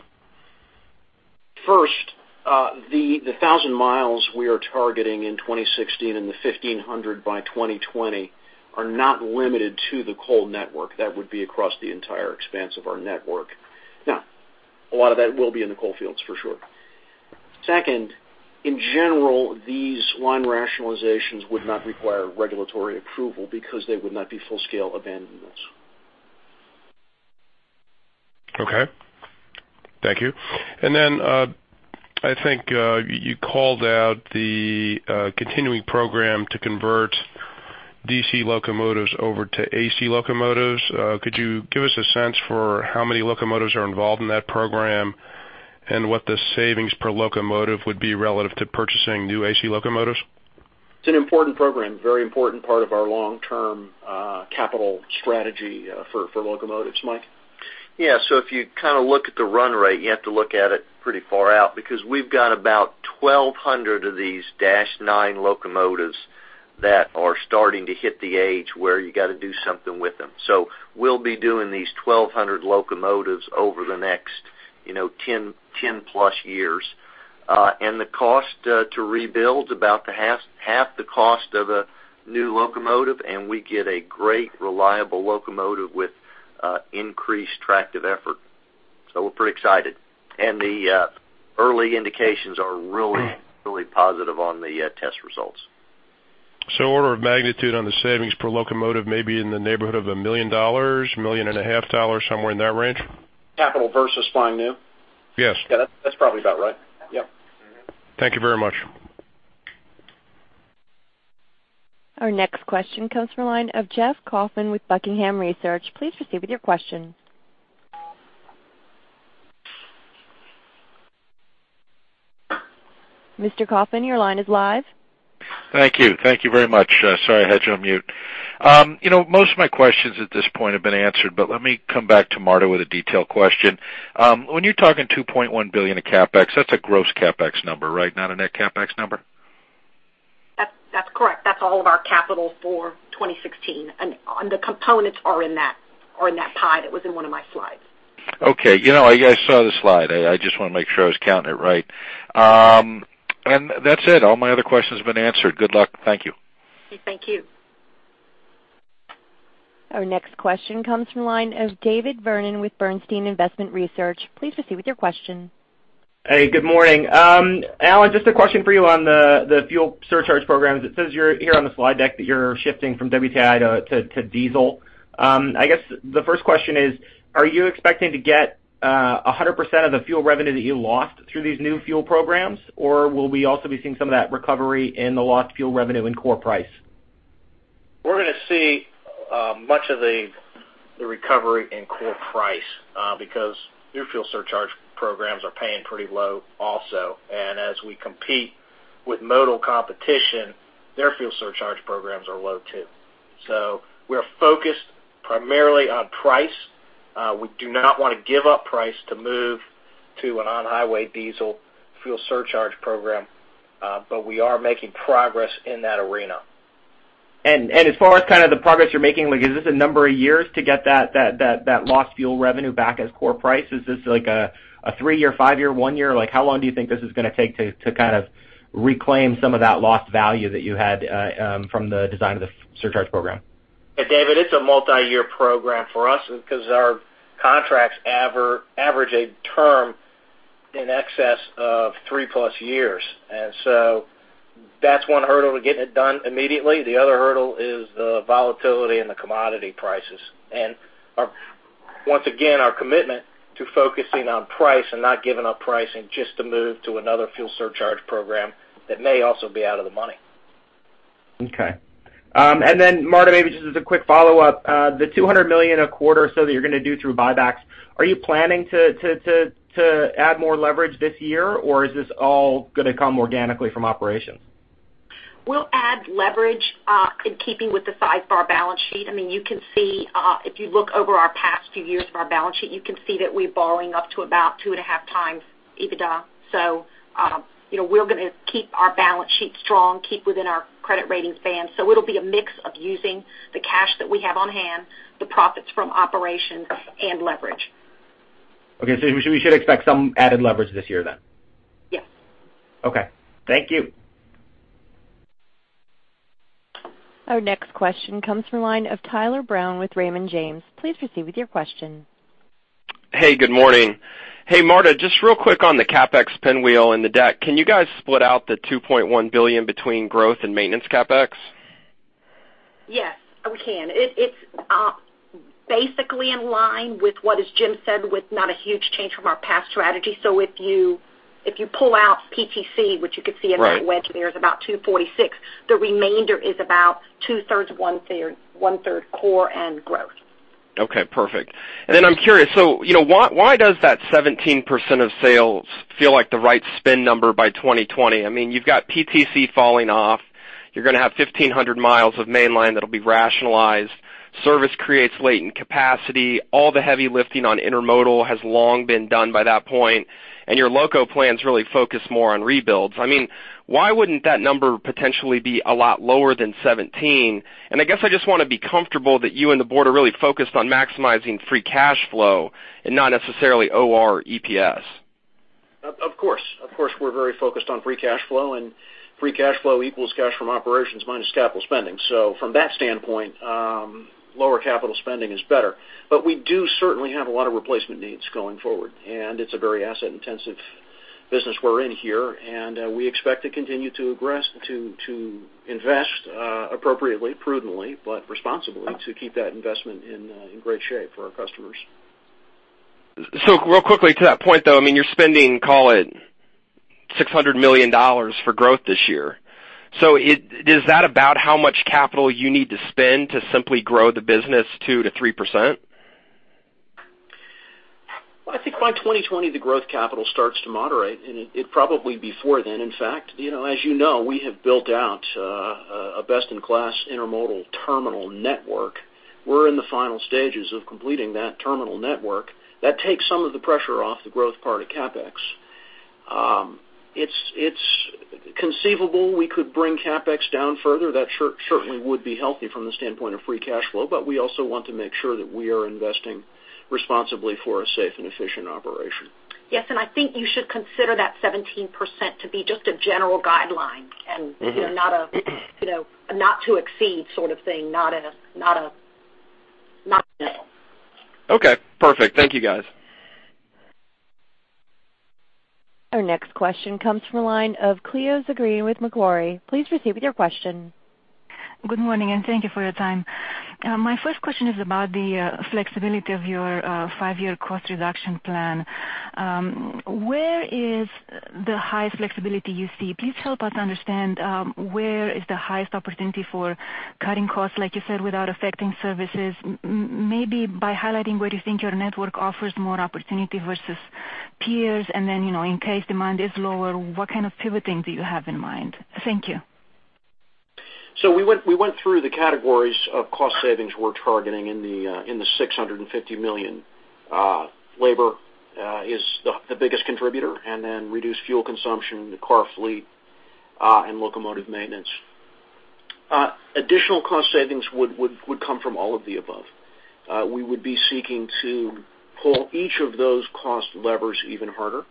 First, the 1,000 miles we are targeting in 2016 and the 1,500 by 2020 are not limited to the coal network. That would be across the entire expanse of our network. Now, a lot of that will be in the coal fields, for sure. Second, in general, these line rationalizations would not require regulatory approval because they would not be full-scale abandonments.
Okay. Thank you. I think you called out the continuing program to convert DC locomotives over to AC locomotives. Could you give us a sense for how many locomotives are involved in that program and what the savings per locomotive would be relative to purchasing new AC locomotives?
It's an important program, very important part of our long-term capital strategy for locomotives. Mike?
Yeah. If you look at the run rate, you have to look at it pretty far out because we've got about 1,200 of these Dash 9 locomotives that are starting to hit the age where you got to do something with them. We'll be doing these 1,200 locomotives over the next 10 plus years. The cost to rebuild about half the cost of a new locomotive, and we get a great reliable locomotive with increased tractive effort. We're pretty excited. The early indications are really positive on the test results.
Order of magnitude on the savings per locomotive may be in the neighborhood of $1 million, $1.5 million, somewhere in that range?
Capital versus buying new?
Yes.
Yeah, that's probably about right. Yep.
Thank you very much.
Our next question comes from the line of Jeff Kauffman with Buckingham Research. Please proceed with your question. Mr. Kauffman, your line is live.
Thank you very much. Sorry, I had you on mute. Most of my questions at this point have been answered, but let me come back to Marta with a detail question. When you're talking $2.1 billion of CapEx, that's a gross CapEx number, right? Not a net CapEx number?
That's correct. That's all of our capital for 2016. The components are in that pie that was in one of my slides.
Okay. I saw the slide. I just want to make sure I was counting it right. That's it. All my other questions have been answered. Good luck. Thank you.
Okay, thank you.
Our next question comes from the line of David Vernon with Bernstein Research. Please proceed with your question.
Hey, good morning. Alan, just a question for you on the fuel surcharge programs. It says here on the slide deck that you're shifting from WTI to diesel. I guess the first question is, are you expecting to get 100% of the fuel revenue that you lost through these new fuel programs, or will we also be seeing some of that recovery in the lost fuel revenue in core price?
We're going to see much of the recovery in core price because new fuel surcharge programs are paying pretty low also. As we compete with modal competition, their fuel surcharge programs are low too. We are focused primarily on price We do not want to give up price to move to an on-highway diesel fuel surcharge program, but we are making progress in that arena.
As far as the progress you're making, is this a number of years to get that lost fuel revenue back as core price? Is this like a three-year, five-year, one-year? How long do you think this is going to take to reclaim some of that lost value that you had from the design of the surcharge program?
David, it's a multi-year program for us because our contracts average a term in excess of three-plus years. So that's one hurdle to getting it done immediately. The other hurdle is the volatility in the commodity prices. Once again, our commitment to focusing on price and not giving up pricing just to move to another fuel surcharge program that may also be out of the money.
Okay. Then, Marta, maybe just as a quick follow-up. The $200 million a quarter so that you're going to do through buybacks, are you planning to add more leverage this year, or is this all going to come organically from operations?
We'll add leverage in keeping with the size of our balance sheet. If you look over our past few years of our balance sheet, you can see that we're borrowing up to about 2.5x EBITDA. We're going to keep our balance sheet strong, keep within our credit ratings band. It'll be a mix of using the cash that we have on hand, the profits from operations, and leverage.
Okay, we should expect some added leverage this year then?
Yes.
Okay.
Thank you.
Our next question comes from the line of Tyler Brown with Raymond James. Please proceed with your question.
Hey, good morning. Hey, Marta, just real quick on the CapEx pinwheel in the deck, can you guys split out the $2.1 billion between growth and maintenance CapEx?
Yes, we can. It's basically in line with what, as Jim said, with not a huge change from our past strategy. If you pull out PTC, which you could see.
Right
In that wedge there is about $246. The remainder is about two-thirds, one-third core and growth.
Okay, perfect. I'm curious, why does that 17% of sales feel like the right spin number by 2020? You've got PTC falling off. You're going to have 1,500 miles of mainline that'll be rationalized. Service creates latent capacity. All the heavy lifting on intermodal has long been done by that point, and your loco plans really focus more on rebuilds. Why wouldn't that number potentially be a lot lower than 17? I guess I just want to be comfortable that you and the board are really focused on maximizing free cash flow and not necessarily OR EPS.
Of course. Of course, we're very focused on free cash flow, free cash flow equals cash from operations minus capital spending. From that standpoint, lower capital spending is better. We do certainly have a lot of replacement needs going forward, it's a very asset-intensive business we're in here, and we expect to continue to invest appropriately, prudently, but responsibly to keep that investment in great shape for our customers.
Real quickly to that point, though, you're spending, call it $600 million for growth this year. Is that about how much capital you need to spend to simply grow the business 2%-3%?
Well, I think by 2020, the growth capital starts to moderate, probably before then. In fact, as you know, we have built out a best-in-class intermodal terminal network. We're in the final stages of completing that terminal network. That takes some of the pressure off the growth part of CapEx. It's conceivable we could bring CapEx down further. That certainly would be healthy from the standpoint of free cash flow, we also want to make sure that we are investing responsibly for a safe and efficient operation.
Yes, I think you should consider that 17% to be just a general guideline. not to exceed sort of thing, not a.
Okay, perfect. Thank you, guys.
Our next question comes from the line of Cleo Zagrean with Macquarie. Please proceed with your question.
Good morning. Thank you for your time. My first question is about the flexibility of your five-year cost reduction plan. Where is the highest flexibility you see? Please help us understand where is the highest opportunity for cutting costs, like you said, without affecting services, maybe by highlighting where you think your network offers more opportunity versus peers. In case demand is lower, what kind of pivoting do you have in mind? Thank you.
We went through the categories of cost savings we're targeting in the $650 million. Labor is the biggest contributor, then reduced fuel consumption, the car fleet, and locomotive maintenance. Additional cost savings would come from all of the above. We would be seeking to pull each of those cost levers even harder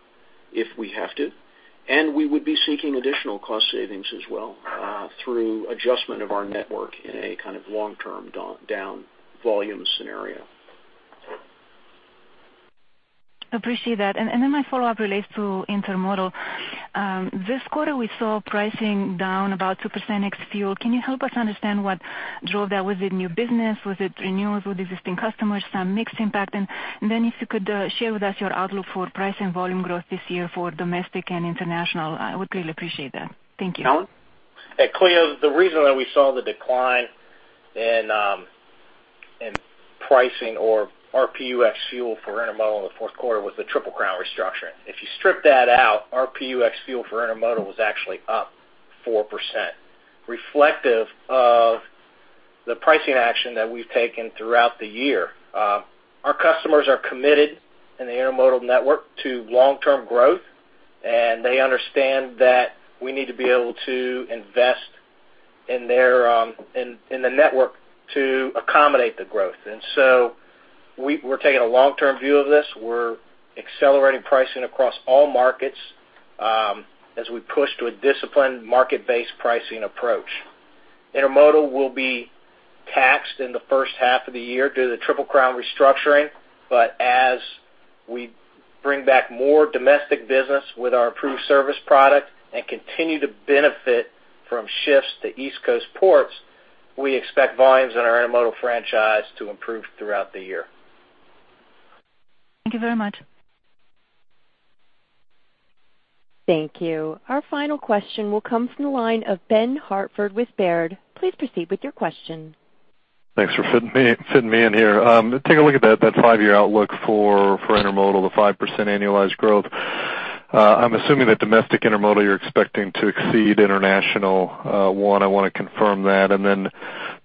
if we have to, we would be seeking additional cost savings as well through adjustment of our network in a kind of long-term down volume scenario.
Appreciate that. My follow-up relates to intermodal. This quarter, we saw pricing down about 2% ex-fuel. Can you help us understand what drove that? Was it new business? Was it renewals with existing customers, some mix impact? If you could share with us your outlook for price and volume growth this year for domestic and international, I would really appreciate that. Thank you.
Alan?
Hey, Cleo, the reason that we saw the decline in pricing or RPU ex-fuel for intermodal in the fourth quarter was the Triple Crown restructuring. If you strip that out, RPU ex-fuel for intermodal was actually up 4%, reflective of the pricing action that we've taken throughout the year. Our customers are committed in the intermodal network to long-term growth, they understand that we need to be able to invest in the network to accommodate the growth. We're taking a long-term view of this. We're accelerating pricing across all markets as we push to a disciplined market-based pricing approach. Intermodal will be taxed in the first half of the year due to the Triple Crown restructuring. As we bring back more domestic business with our improved service product and continue to benefit from shifts to East Coast ports, we expect volumes in our intermodal franchise to improve throughout the year. Thank you very much.
Thank you. Our final question will come from the line of Benjamin Hartford with Baird. Please proceed with your question.
Thanks for fitting me in here. Take a look at that five-year outlook for intermodal, the 5% annualized growth. I'm assuming that domestic intermodal, you're expecting to exceed international. One, I want to confirm that, and then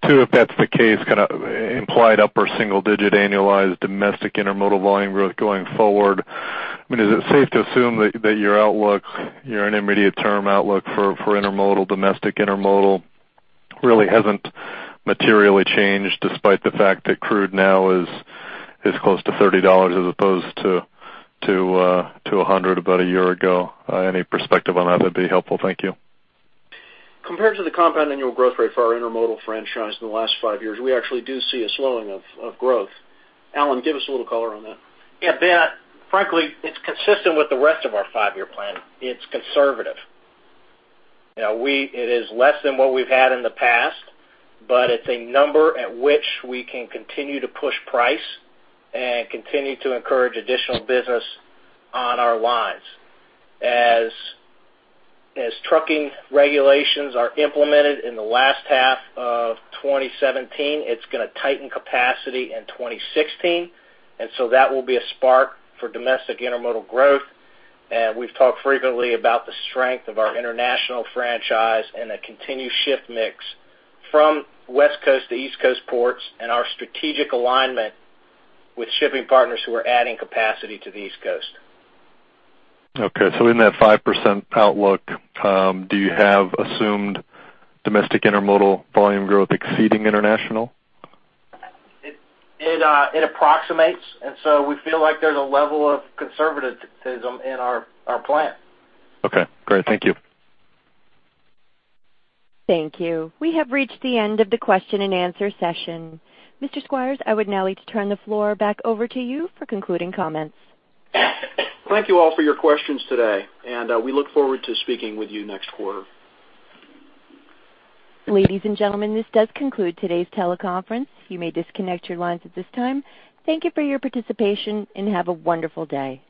two, if that's the case, kind of implied upper single-digit annualized domestic intermodal volume growth going forward. I mean, is it safe to assume that your intermediate-term outlook for domestic intermodal really hasn't materially changed, despite the fact that crude now is close to $30 as opposed to $100 about a year ago? Any perspective on that would be helpful. Thank you.
Compared to the compound annual growth rate for our intermodal franchise in the last five years, we actually do see a slowing of growth. Alan, give us a little color on that. Yeah, Ben, frankly, it's consistent with the rest of our five-year plan. It's conservative. It is less than what we've had in the past, but it's a number at which we can continue to push price and continue to encourage additional business on our lines. As trucking regulations are implemented in the last half of 2017, that will be a spark for domestic intermodal growth. We've talked frequently about the strength of our international franchise and the continued shift mix from West Coast to East Coast ports and our strategic alignment with shipping partners who are adding capacity to the East Coast.
Okay, in that 5% outlook, do you have assumed domestic intermodal volume growth exceeding international?
It approximates, so we feel like there's a level of conservatism in our plan.
Okay, great. Thank you.
Thank you. We have reached the end of the question and answer session. Mr. Squires, I would now like to turn the floor back over to you for concluding comments.
Thank you all for your questions today, we look forward to speaking with you next quarter.
Ladies and gentlemen, this does conclude today's teleconference. You may disconnect your lines at this time. Thank you for your participation, and have a wonderful day.